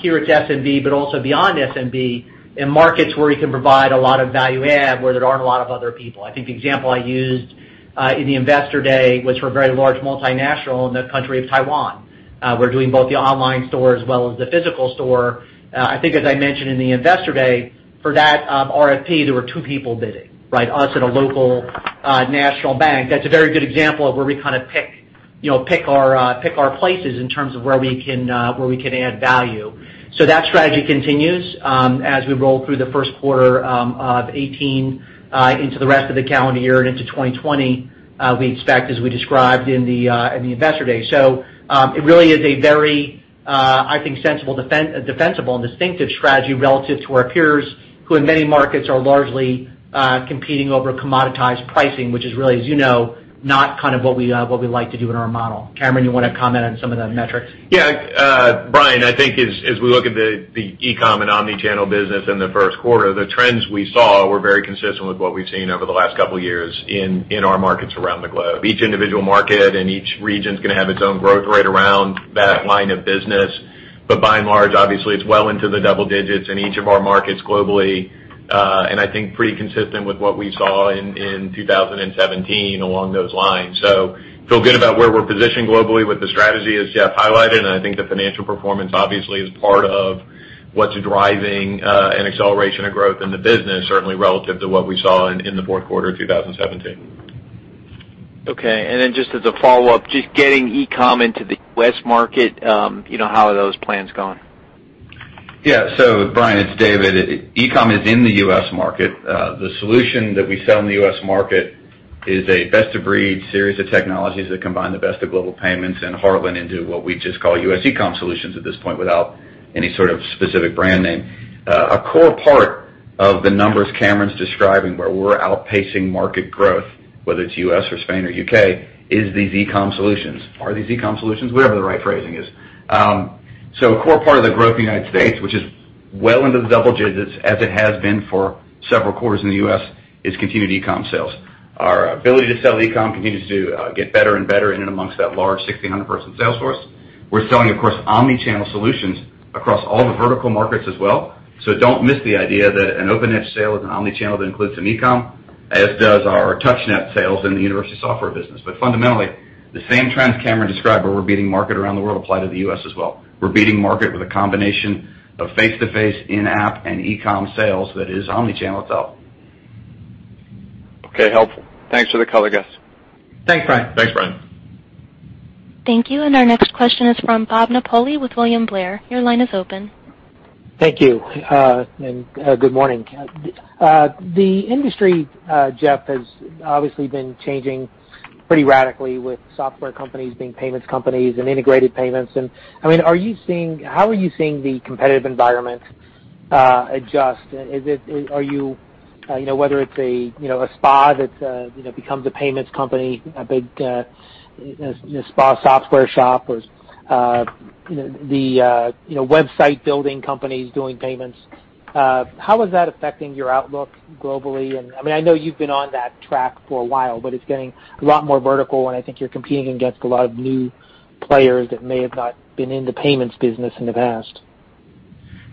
here at SMB, but also beyond SMB in markets where you can provide a lot of value add, where there aren't a lot of other people. I think the example I used in the investor day was for a very large multinational in the country of Taiwan. We're doing both the online store as well as the physical store. I think as I mentioned in the investor day, for that RFP, there were two people bidding, us and a local national bank. That's a very good example of where we kind of pick our places in terms of where we can add value. That strategy continues as we roll through the first quarter of 2018 into the rest of the calendar year and into 2020 we expect, as we described in the investor day. It really is a very, I think, sensible, defensible, and distinctive strategy relative to our peers, who in many markets are largely competing over commoditized pricing, which is really, as you know, not kind of what we like to do in our model. Cameron, you want to comment on some of the metrics? Yeah. Bryan, I think as we look at the e-com and omni-channel business in the first quarter, the trends we saw were very consistent with what we've seen over the last couple of years in our markets around the globe. Each individual market and each region's going to have its own growth rate around that line of business. By and large, obviously, it's well into the double digits in each of our markets globally. I think pretty consistent with what we saw in 2017 along those lines. Feel good about where we're positioned globally with the strategy as Jeff highlighted, and I think the financial performance obviously is part of what's driving an acceleration of growth in the business, certainly relative to what we saw in the fourth quarter of 2017. Okay, then just as a follow-up, just getting E-com into the U.S. market, how are those plans going? Bryan, it's David. E-com is in the U.S. market. The solution that we sell in the U.S. market is a best-of-breed series of technologies that combine the best of Global Payments and Heartland into what we just call US E-com Solutions at this point without any sort of specific brand name. A core part of the numbers Cameron's describing where we're outpacing market growth, whether it's U.S. or Spain or U.K., is these E-com solutions. Are these E-com solutions? Whatever the right phrasing is. A core part of the growth in the United States, which is well into the double digits as it has been for several quarters in the U.S., is continued E-com sales. Our ability to sell E-com continues to get better and better in and amongst that large 1,600-person sales force. We're selling, of course, omni-channel solutions across all the vertical markets as well. Don't miss the idea that an OpenEdge sale is an omni-channel that includes some E-com, as does our TouchNet sales in the university software business. Fundamentally, the same trends Cameron described where we're beating market around the world apply to the U.S. as well. We're beating market with a combination of face-to-face, in-app, and E-com sales that is omni-channel itself. Okay, helpful. Thanks for the color, guys. Thanks, Bryan. Thanks, Bryan. Thank you. Our next question is from Robert Napoli with William Blair. Your line is open. Thank you. Good morning. The industry, Jeff, has obviously been changing pretty radically with software companies being payments companies and integrated payments. How are you seeing the competitive environment adjust? Whether it's an ISV that's become the payments company, a big ISV software shop, or the website-building companies doing payments, how is that affecting your outlook globally? I know you've been on that track for a while, but it's getting a lot more vertical, I think you're competing against a lot of new players that may have not been in the payments business in the past.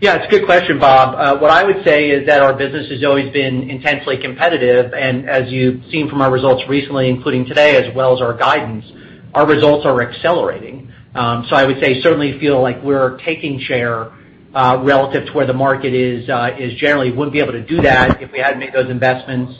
It's a good question, Bob. What I would say is that our business has always been intensely competitive, and as you've seen from our results recently, including today as well as our guidance, our results are accelerating. I would say certainly feel like we're taking share relative to where the market is generally. Wouldn't be able to do that if we hadn't made those investments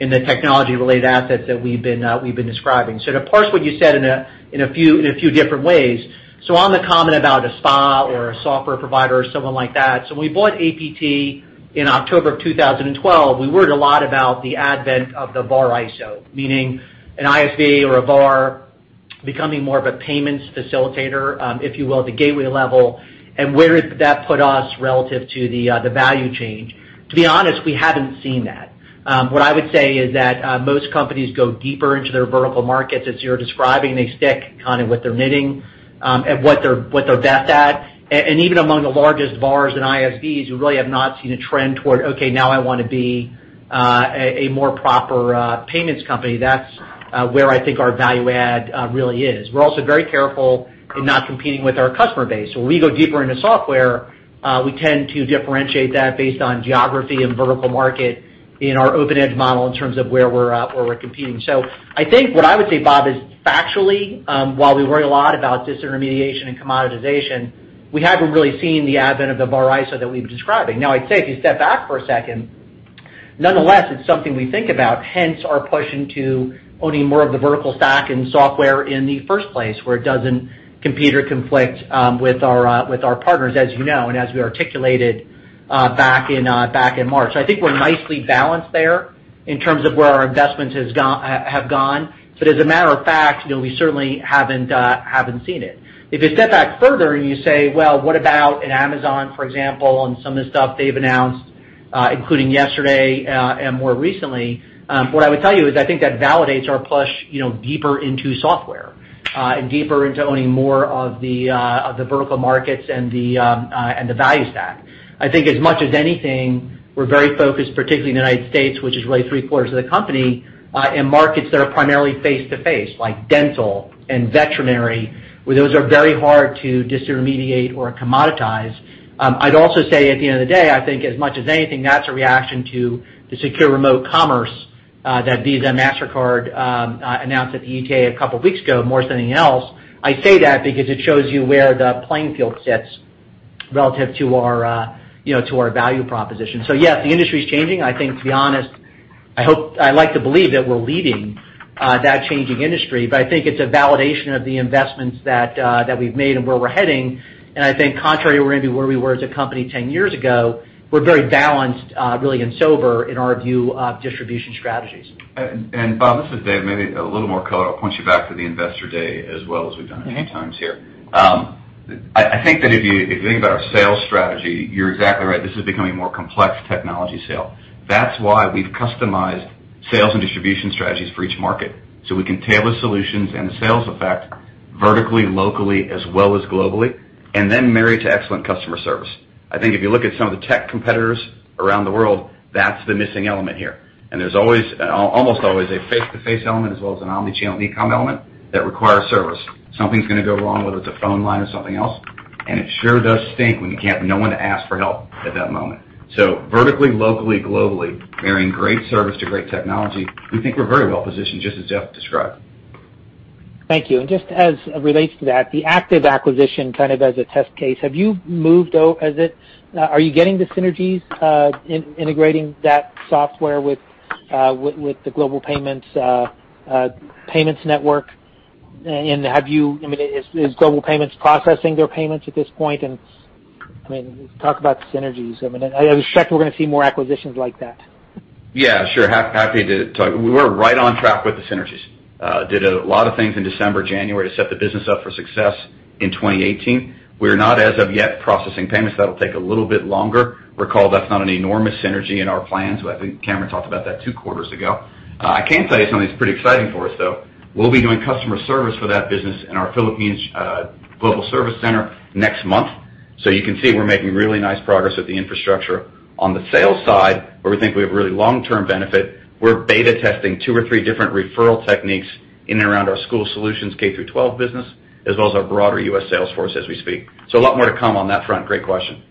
in the technology-related assets that we've been describing. To parse what you said in a few different ways, on the comment about an ISV or a software provider or someone like that, when we bought APT in October of 2012, we worried a lot about the advent of the VAR ISO, meaning an ISV or a VAR becoming more of a payments facilitator, if you will, at the gateway level, and where that put us relative to the value chain. To be honest, we haven't seen that. What I would say is that most companies go deeper into their vertical markets, as you're describing. They stick kind of what they're knitting and what they're best at. Even among the largest VARs and ISVs, we really have not seen a trend toward, okay, now I want to be a more proper payments company. That's where I think our value add really is. We're also very careful in not competing with our customer base. When we go deeper into software, we tend to differentiate that based on geography and vertical market in our OpenEdge model in terms of where we're competing. I think what I would say, Bob, is factually, while we worry a lot about disintermediation and commoditization, we haven't really seen the advent of the VAR ISO that we've been describing. I'd say if you step back for a second, nonetheless, it's something we think about, hence our push into owning more of the vertical stack and software in the first place, where it doesn't compete or conflict with our partners, as you know and as we articulated back in March. I think we're nicely balanced there in terms of where our investments have gone. As a matter of fact, we certainly haven't seen it. If you step back further and you say, "Well, what about an Amazon, for example, and some of the stuff they've announced, including yesterday and more recently?" What I would tell you is I think that validates our push deeper into software and deeper into owning more of the vertical markets and the value stack. I think as much as anything, we're very focused, particularly in the U.S., which is really three-quarters of the company, in markets that are primarily face-to-face, like dental and veterinary, where those are very hard to disintermediate or commoditize. I'd also say at the end of the day, I think as much as anything, that's a reaction to the Secure Remote Commerce that Visa, MasterCard announced at the ETA a couple of weeks ago, more than anything else. I say that because it shows you where the playing field sits relative to our value proposition. Yes, the industry's changing. I think, to be honest, I like to believe that we're leading that changing industry. I think it's a validation of the investments that we've made and where we're heading, and I think contrary to where we were as a company 10 years ago, we're very balanced really and sober in our view of distribution strategies. Bob, this is Dave. Maybe a little more color. I'll point you back to the Investor Day as well as we've done a few times here. I think that if you think about our sales strategy, you're exactly right. This is becoming a more complex technology sale. That's why we've customized sales and distribution strategies for each market, so we can tailor solutions and the sales effect vertically, locally, as well as globally, and then marry to excellent customer service. I think if you look at some of the tech competitors around the world, that's the missing element here. There's almost always a face-to-face element as well as an omni-channel e-com element that requires service. Something's going to go wrong, whether it's a phone line or something else, and it sure does stink when you have no one to ask for help at that moment. Vertically, locally, globally, marrying great service to great technology, we think we're very well positioned, just as Jeff described. Thank you. Just as it relates to that, the ACTIVE acquisition kind of as a test case, are you getting the synergies integrating that software with the Global Payments network? Is Global Payments processing their payments at this point? Talk about synergies. I was shocked we're going to see more acquisitions like that. Sure. Happy to talk. We're right on track with the synergies. Did a lot of things in December, January to set the business up for success in 2018. We're not as of yet processing payments. That'll take a little bit longer. Recall that's not an enormous synergy in our plans. I think Cameron talked about that two quarters ago. I can tell you something that's pretty exciting for us, though. We'll be doing customer service for that business in our Philippines Global Service Center next month. You can see we're making really nice progress with the infrastructure. On the sales side, where we think we have really long-term benefit, we're beta testing two or three different referral techniques in and around our school solutions K through 12 business as well as our broader U.S. sales force as we speak. A lot more to come on that front. Great question.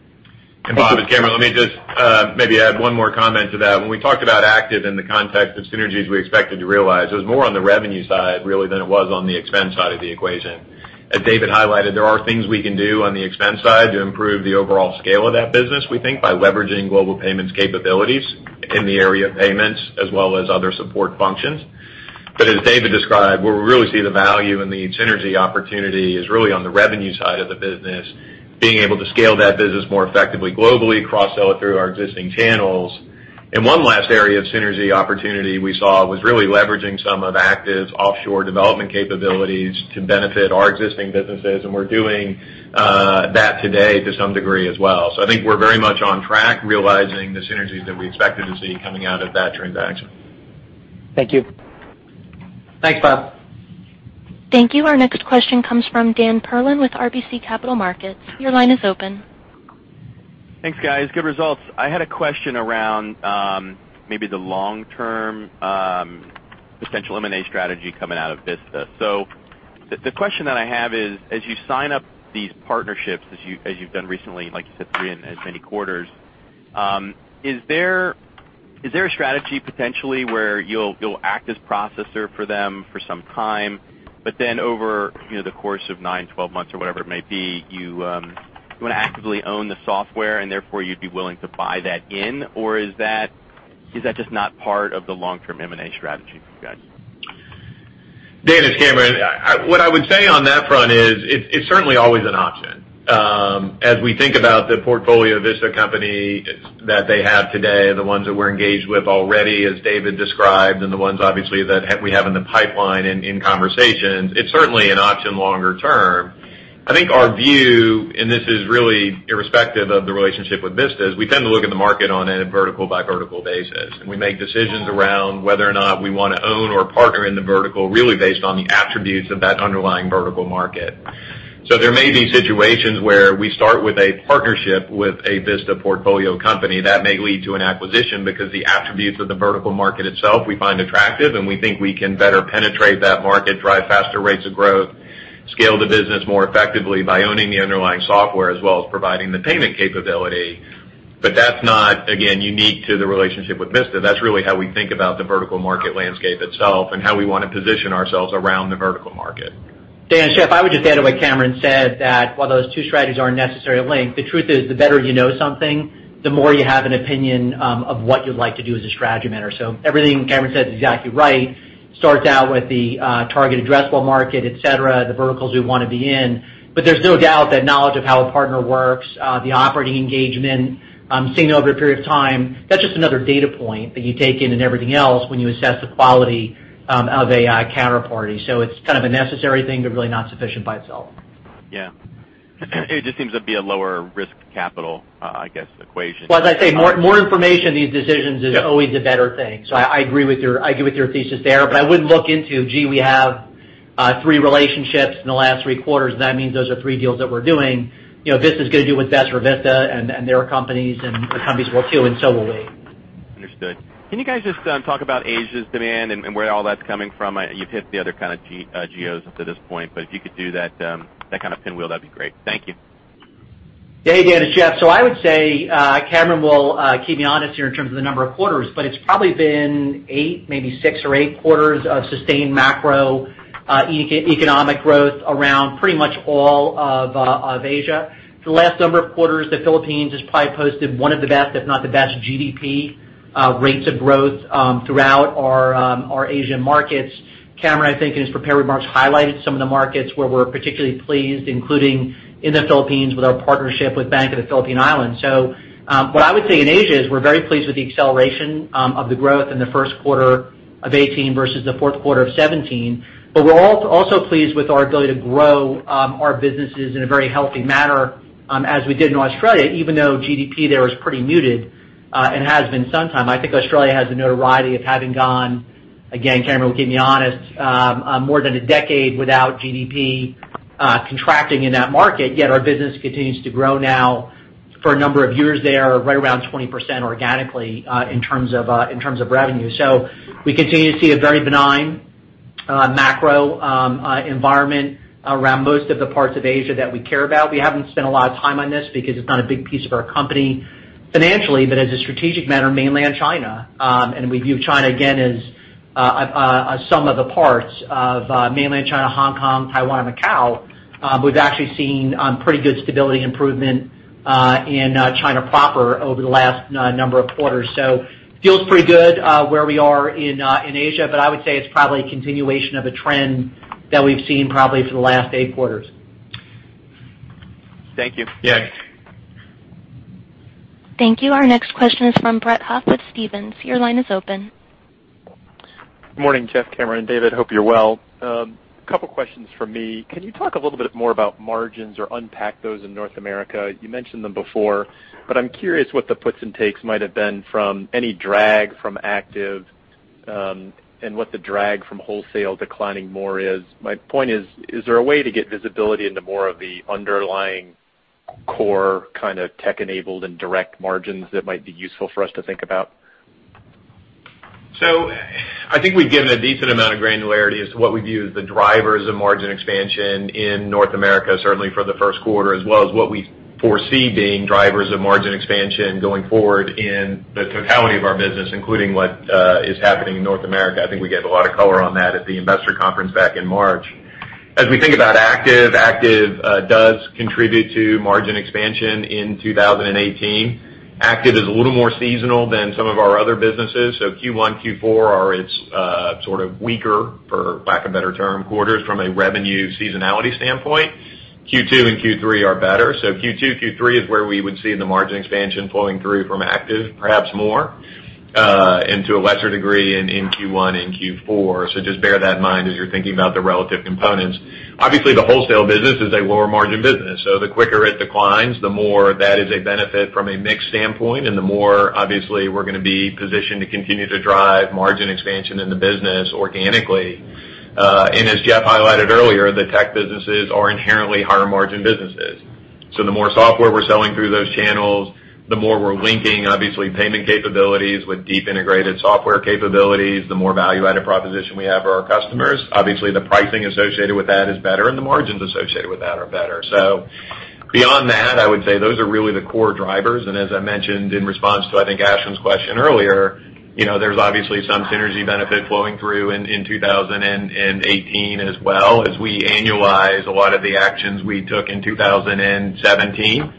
Bob, it's Cameron. Let me just maybe add one more comment to that. When we talked about ACTIVE Network in the context of synergies we expected to realize, it was more on the revenue side really than it was on the expense side of the equation. As David highlighted, there are things we can do on the expense side to improve the overall scale of that business, we think by leveraging Global Payments capabilities in the area of payments as well as other support functions. As David described, where we really see the value and the synergy opportunity is really on the revenue side of the business, being able to scale that business more effectively globally, cross-sell it through our existing channels. One last area of synergy opportunity we saw was really leveraging some of ACTIVE Network's offshore development capabilities to benefit our existing businesses, and we're doing that today to some degree as well. I think we're very much on track realizing the synergies that we expected to see coming out of that transaction. Thank you. Thanks, Bob. Thank you. Our next question comes from Daniel Perlin with RBC Capital Markets. Your line is open. Thanks, guys. Good results. I had a question around maybe the long-term potential M&A strategy coming out of Vista. The question that I have is, as you sign up these partnerships as you've done recently, like you said, three in as many quarters, Is there a strategy potentially where you'll act as processor for them for some time, but then over the course of nine, 12 months or whatever it may be, you want to actively own the software and therefore you'd be willing to buy that in? Or is that just not part of the long-term M&A strategy for you guys? Dan, it's Cameron. What I would say on that front is it's certainly always an option. As we think about the portfolio Vista company that they have today, the ones that we're engaged with already, as David described, and the ones obviously that we have in the pipeline and in conversations, it's certainly an option longer term. I think our view, and this is really irrespective of the relationship with Vista, is we tend to look at the market on a vertical-by-vertical basis. We make decisions around whether or not we want to own or partner in the vertical really based on the attributes of that underlying vertical market. There may be situations where we start with a partnership with a Vista portfolio company that may lead to an acquisition because the attributes of the vertical market itself we find attractive and we think we can better penetrate that market, drive faster rates of growth, scale the business more effectively by owning the underlying software as well as providing the payment capability. That's not, again, unique to the relationship with Vista. That's really how we think about the vertical market landscape itself and how we want to position ourselves around the vertical market. Dan, it's Jeff. I would just add to what Cameron said that while those two strategies aren't necessarily linked, the truth is the better you know something, the more you have an opinion of what you'd like to do as a strategy matter. Everything Cameron said is exactly right. Starts out with the target addressable market, et cetera, the verticals we want to be in. There's no doubt that knowledge of how a partner works, the operating engagement seen over a period of time, that's just another data point that you take in and everything else when you assess the quality of a counterparty. It's kind of a necessary thing but really not sufficient by itself. Yeah. It just seems to be a lower risk capital, I guess, equation. As I say, more information, these decisions is always a better thing. I agree with your thesis there, but I wouldn't look into, gee, we have three relationships in the last three quarters, and that means those are three deals that we're doing. Vista is going to do what's best for Vista and their companies, and the companies will too, and so will we. Understood. Can you guys just talk about Asia's demand and where all that's coming from? You've hit the other kind of geos up to this point, if you could do that kind of pinwheel, that'd be great. Thank you. Hey, Dan, it's Jeff. I would say Cameron will keep me honest here in terms of the number of quarters, but it's probably been eight, maybe six or eight quarters of sustained macroeconomic growth around pretty much all of Asia. For the last number of quarters, the Philippines has probably posted one of the best, if not the best GDP rates of growth throughout our Asian markets. Cameron, I think in his prepared remarks, highlighted some of the markets where we're particularly pleased, including in the Philippines with our partnership with Bank of the Philippine Islands. What I would say in Asia is we're very pleased with the acceleration of the growth in the first quarter of 2018 versus the fourth quarter of 2017. We're also pleased with our ability to grow our businesses in a very healthy manner as we did in Australia, even though GDP there is pretty muted and has been some time. I think Australia has the notoriety of having gone, again, Cameron will keep me honest, more than a decade without GDP contracting in that market, yet our business continues to grow now for a number of years there, right around 20% organically in terms of revenue. We continue to see a very benign macroenvironment around most of the parts of Asia that we care about. We haven't spent a lot of time on this because it's not a big piece of our company financially, but as a strategic matter, Mainland China. We view China again as a sum of the parts of Mainland China, Hong Kong, Taiwan, and Macau. We've actually seen pretty good stability improvement in China proper over the last number of quarters. It feels pretty good where we are in Asia, but I would say it's probably a continuation of a trend that we've seen probably for the last eight quarters. Thank you. Yeah. Thank you. Our next question is from Brett Huff with Stephens. Your line is open. Morning, Jeff, Cameron, and David. Hope you're well. Couple questions from me. Can you talk a little bit more about margins or unpack those in North America? You mentioned them before, but I'm curious what the puts and takes might have been from any drag from ACTIVE and what the drag from wholesale declining more is. My point is there a way to get visibility into more of the underlying core kind of tech-enabled and direct margins that might be useful for us to think about? I think we've given a decent amount of granularity as to what we view as the drivers of margin expansion in North America, certainly for the first quarter, as well as what we foresee being drivers of margin expansion going forward in the totality of our business, including what is happening in North America. I think we gave a lot of color on that at the investor conference back in March. As we think about ACTIVE does contribute to margin expansion in 2018. ACTIVE is a little more seasonal than some of our other businesses. Q1, Q4 are its sort of weaker, for lack of a better term, quarters from a revenue seasonality standpoint. Q2 and Q3 are better. Q2, Q3 is where we would see the margin expansion flowing through from ACTIVE perhaps more and to a lesser degree in Q1 and Q4. Just bear that in mind as you're thinking about the relative components. Obviously, the wholesale business is a lower margin business, so the quicker it declines, the more that is a benefit from a mix standpoint and the more obviously we're going to be positioned to continue to drive margin expansion in the business organically. As Jeff highlighted earlier, the tech businesses are inherently higher margin businesses. The more software we're selling through those channels, the more we're linking obviously payment capabilities with deep integrated software capabilities, the more value-added proposition we have for our customers. Obviously, the pricing associated with that is better and the margins associated with that are better. Beyond that, I would say those are really the core drivers. As I mentioned in response to, I think, Ashwin's question earlier, there's obviously some synergy benefit flowing through in 2018 as well as we annualize a lot of the actions we took in 2017.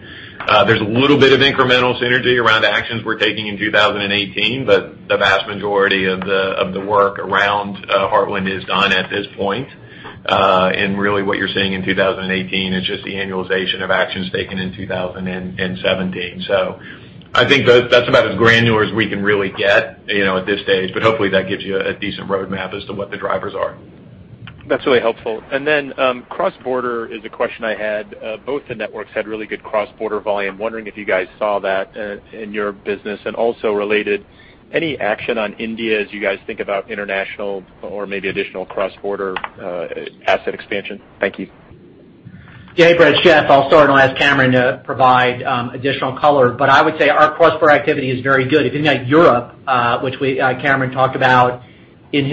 There's a little bit of incremental synergy around actions we're taking in 2018, but the vast majority of the work around Heartland is done at this point. Really what you're seeing in 2018 is just the annualization of actions taken in 2017. I think that's about as granular as we can really get at this stage, but hopefully that gives you a decent roadmap as to what the drivers are. That's really helpful. Then, cross border is a question I had. Both the networks had really good cross-border volume. Wondering if you guys saw that in your business. Also related, any action on India as you guys think about international or maybe additional cross-border asset expansion? Thank you. Yeah, Brett, Jeff, I'll start and I'll ask Cameron to provide additional color. I would say our cross-border activity is very good. If you think about Europe, which Cameron talked about in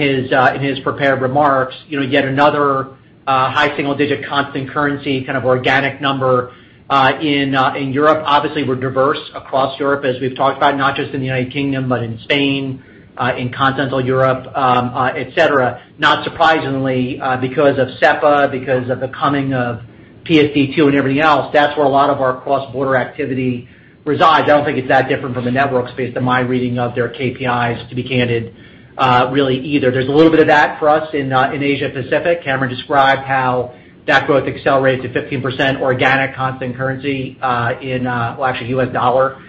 his prepared remarks, yet another high single-digit constant currency kind of organic number in Europe. Obviously, we're diverse across Europe, as we've talked about, not just in the U.K., but in Spain, in continental Europe, et cetera. Not surprisingly, because of SEPA, because of the coming of PSD2 and everything else, that's where a lot of our cross-border activity resides. I don't think it's that different from a network space than my reading of their KPIs, to be candid, really either. There's a little bit of that for us in Asia Pacific. Cameron described how that growth accelerated to 15% organic constant currency in, well, actually U.S. dollar,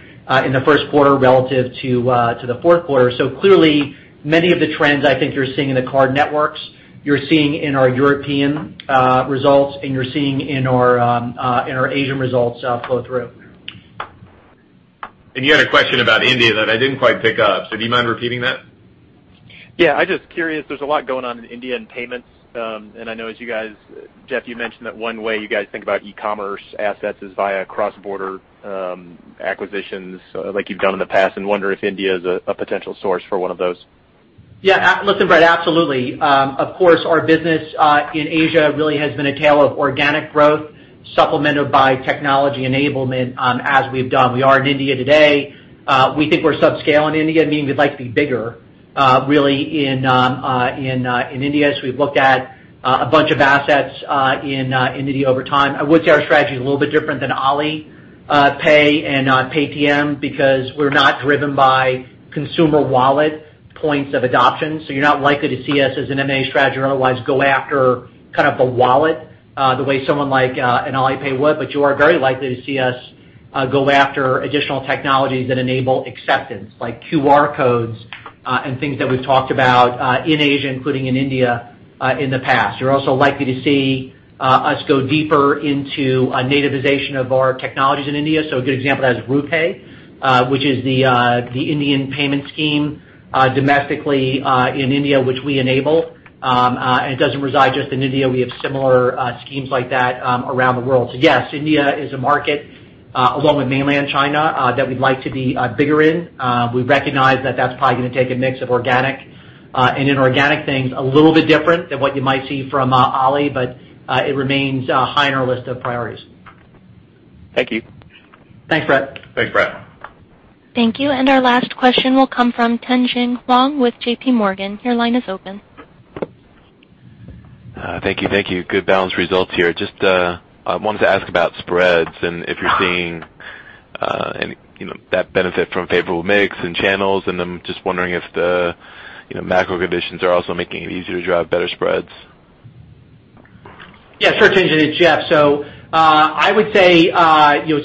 in the first quarter relative to the fourth quarter. Clearly, many of the trends I think you're seeing in the card networks, you're seeing in our European results, and you're seeing in our Asian results flow through. You had a question about India that I didn't quite pick up, do you mind repeating that? Yeah, I'm just curious. There's a lot going on in India and payments. I know as Jeff, you mentioned that one way you guys think about e-commerce assets is via cross-border acquisitions like you've done in the past, and wonder if India is a potential source for one of those. Yeah. Listen, Brett, absolutely. Of course, our business in Asia really has been a tale of organic growth supplemented by technology enablement as we've done. We are in India today. We think we're subscale in India, meaning we'd like to be bigger really in India. We've looked at a bunch of assets in India over time. I would say our strategy is a little bit different than Alipay and Paytm because we're not driven by consumer wallet points of adoption. You're not likely to see us as an M&A strategy or otherwise go after kind of the wallet the way someone like an Alipay would, but you are very likely to see us go after additional technologies that enable acceptance, like QR codes and things that we've talked about in Asia, including in India, in the past. You're also likely to see us go deeper into nativization of our technologies in India. A good example of that is RuPay, which is the Indian payment scheme domestically in India, which we enable. It doesn't reside just in India. We have similar schemes like that around the world. Yes, India is a market along with mainland China that we'd like to be bigger in. We recognize that that's probably going to take a mix of organic and inorganic things, a little bit different than what you might see from Ali, but it remains high on our list of priorities. Thank you. Thanks, Brett. Thanks, Brett. Thank you. Our last question will come from Tien-Tsin Huang with JP Morgan. Your line is open. Thank you. Good balanced results here. I wanted to ask about spreads and if you're seeing that benefit from favorable mix and channels, I'm just wondering if the macro conditions are also making it easier to drive better spreads. Sure, Tien-Tsin, it's Jeff. I would say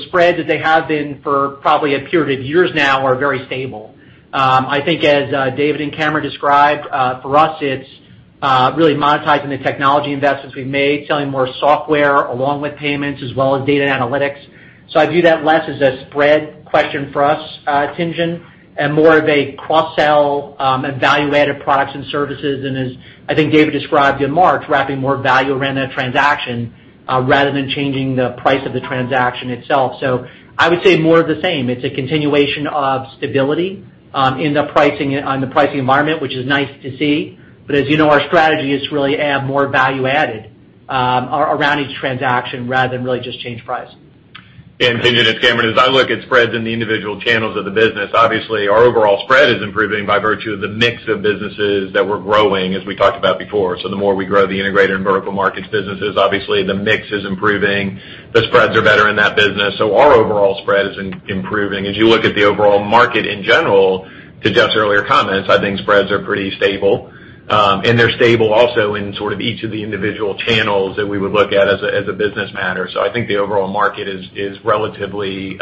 spreads as they have been for probably a period of years now are very stable. I think as David and Cameron described, for us it's really monetizing the technology investments we've made, selling more software along with payments, as well as data analytics. I view that less as a spread question for us, Tien-Tsin, and more of a cross-sell of value-added products and services. As I think David described in March, wrapping more value around that transaction rather than changing the price of the transaction itself. I would say more of the same. It's a continuation of stability in the pricing environment, which is nice to see. As you know, our strategy is to really add more value-added around each transaction rather than really just change price. Tien-Tsin, it's Cameron. As I look at spreads in the individual channels of the business, obviously our overall spread is improving by virtue of the mix of businesses that we're growing, as we talked about before. The more we grow the integrated and vertical markets businesses, obviously the mix is improving. The spreads are better in that business, so our overall spread is improving. As you look at the overall market in general, to Jeff's earlier comments, I think spreads are pretty stable. They're stable also in sort of each of the individual channels that we would look at as a business matter. I think the overall market is relatively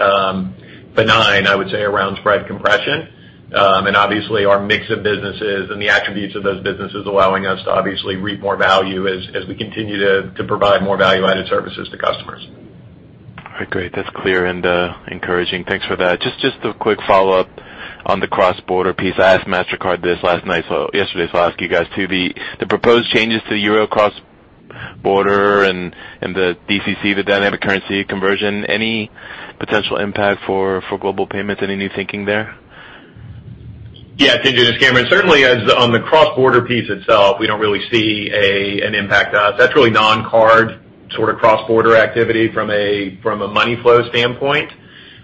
benign, I would say, around spread compression. Obviously, our mix of businesses and the attributes of those businesses allowing us to obviously reap more value as we continue to provide more value-added services to customers. All right, great. That's clear and encouraging. Thanks for that. Just a quick follow-up on the cross-border piece. I asked MasterCard this yesterday. I'll ask you guys too. The proposed changes to euro cross-border and the DCC, the dynamic currency conversion, any potential impact for Global Payments? Any new thinking there? Tien-Tsin, it's Cameron. Certainly on the cross-border piece itself, we don't really see an impact to us. That's really non-card sort of cross-border activity from a money flow standpoint.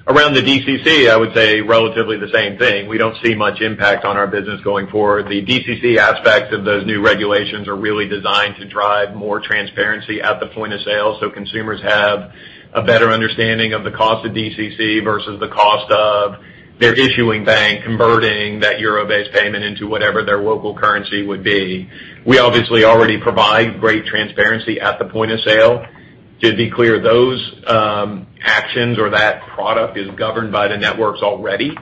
Around the DCC, I would say relatively the same thing. We don't see much impact on our business going forward. The DCC aspect of those new regulations are really designed to drive more transparency at the point of sale so consumers have a better understanding of the cost of DCC versus the cost of their issuing bank converting that euro-based payment into whatever their local currency would be. We obviously already provide great transparency at the point of sale. To be clear, those actions or that product is governed by the networks already,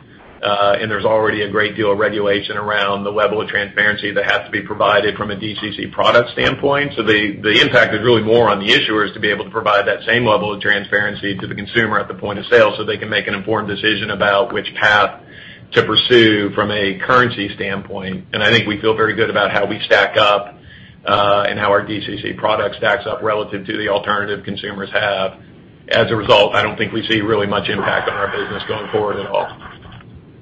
and there's already a great deal of regulation around the level of transparency that has to be provided from a DCC product standpoint. The impact is really more on the issuers to be able to provide that same level of transparency to the consumer at the point of sale so they can make an informed decision about which path to pursue from a currency standpoint. I think we feel very good about how we stack up, and how our DCC product stacks up relative to the alternative consumers have. As a result, I don't think we see really much impact on our business going forward at all.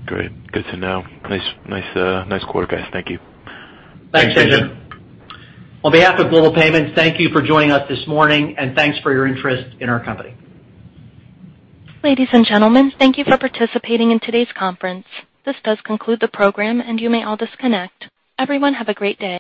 Great. Good to know. Nice quarter, guys. Thank you. Thanks, Tien-Tsin. Thanks, Tien-Tsin. On behalf of Global Payments, thank you for joining us this morning and thanks for your interest in our company. Ladies and gentlemen, thank you for participating in today's conference. This does conclude the program. You may all disconnect. Everyone, have a great day.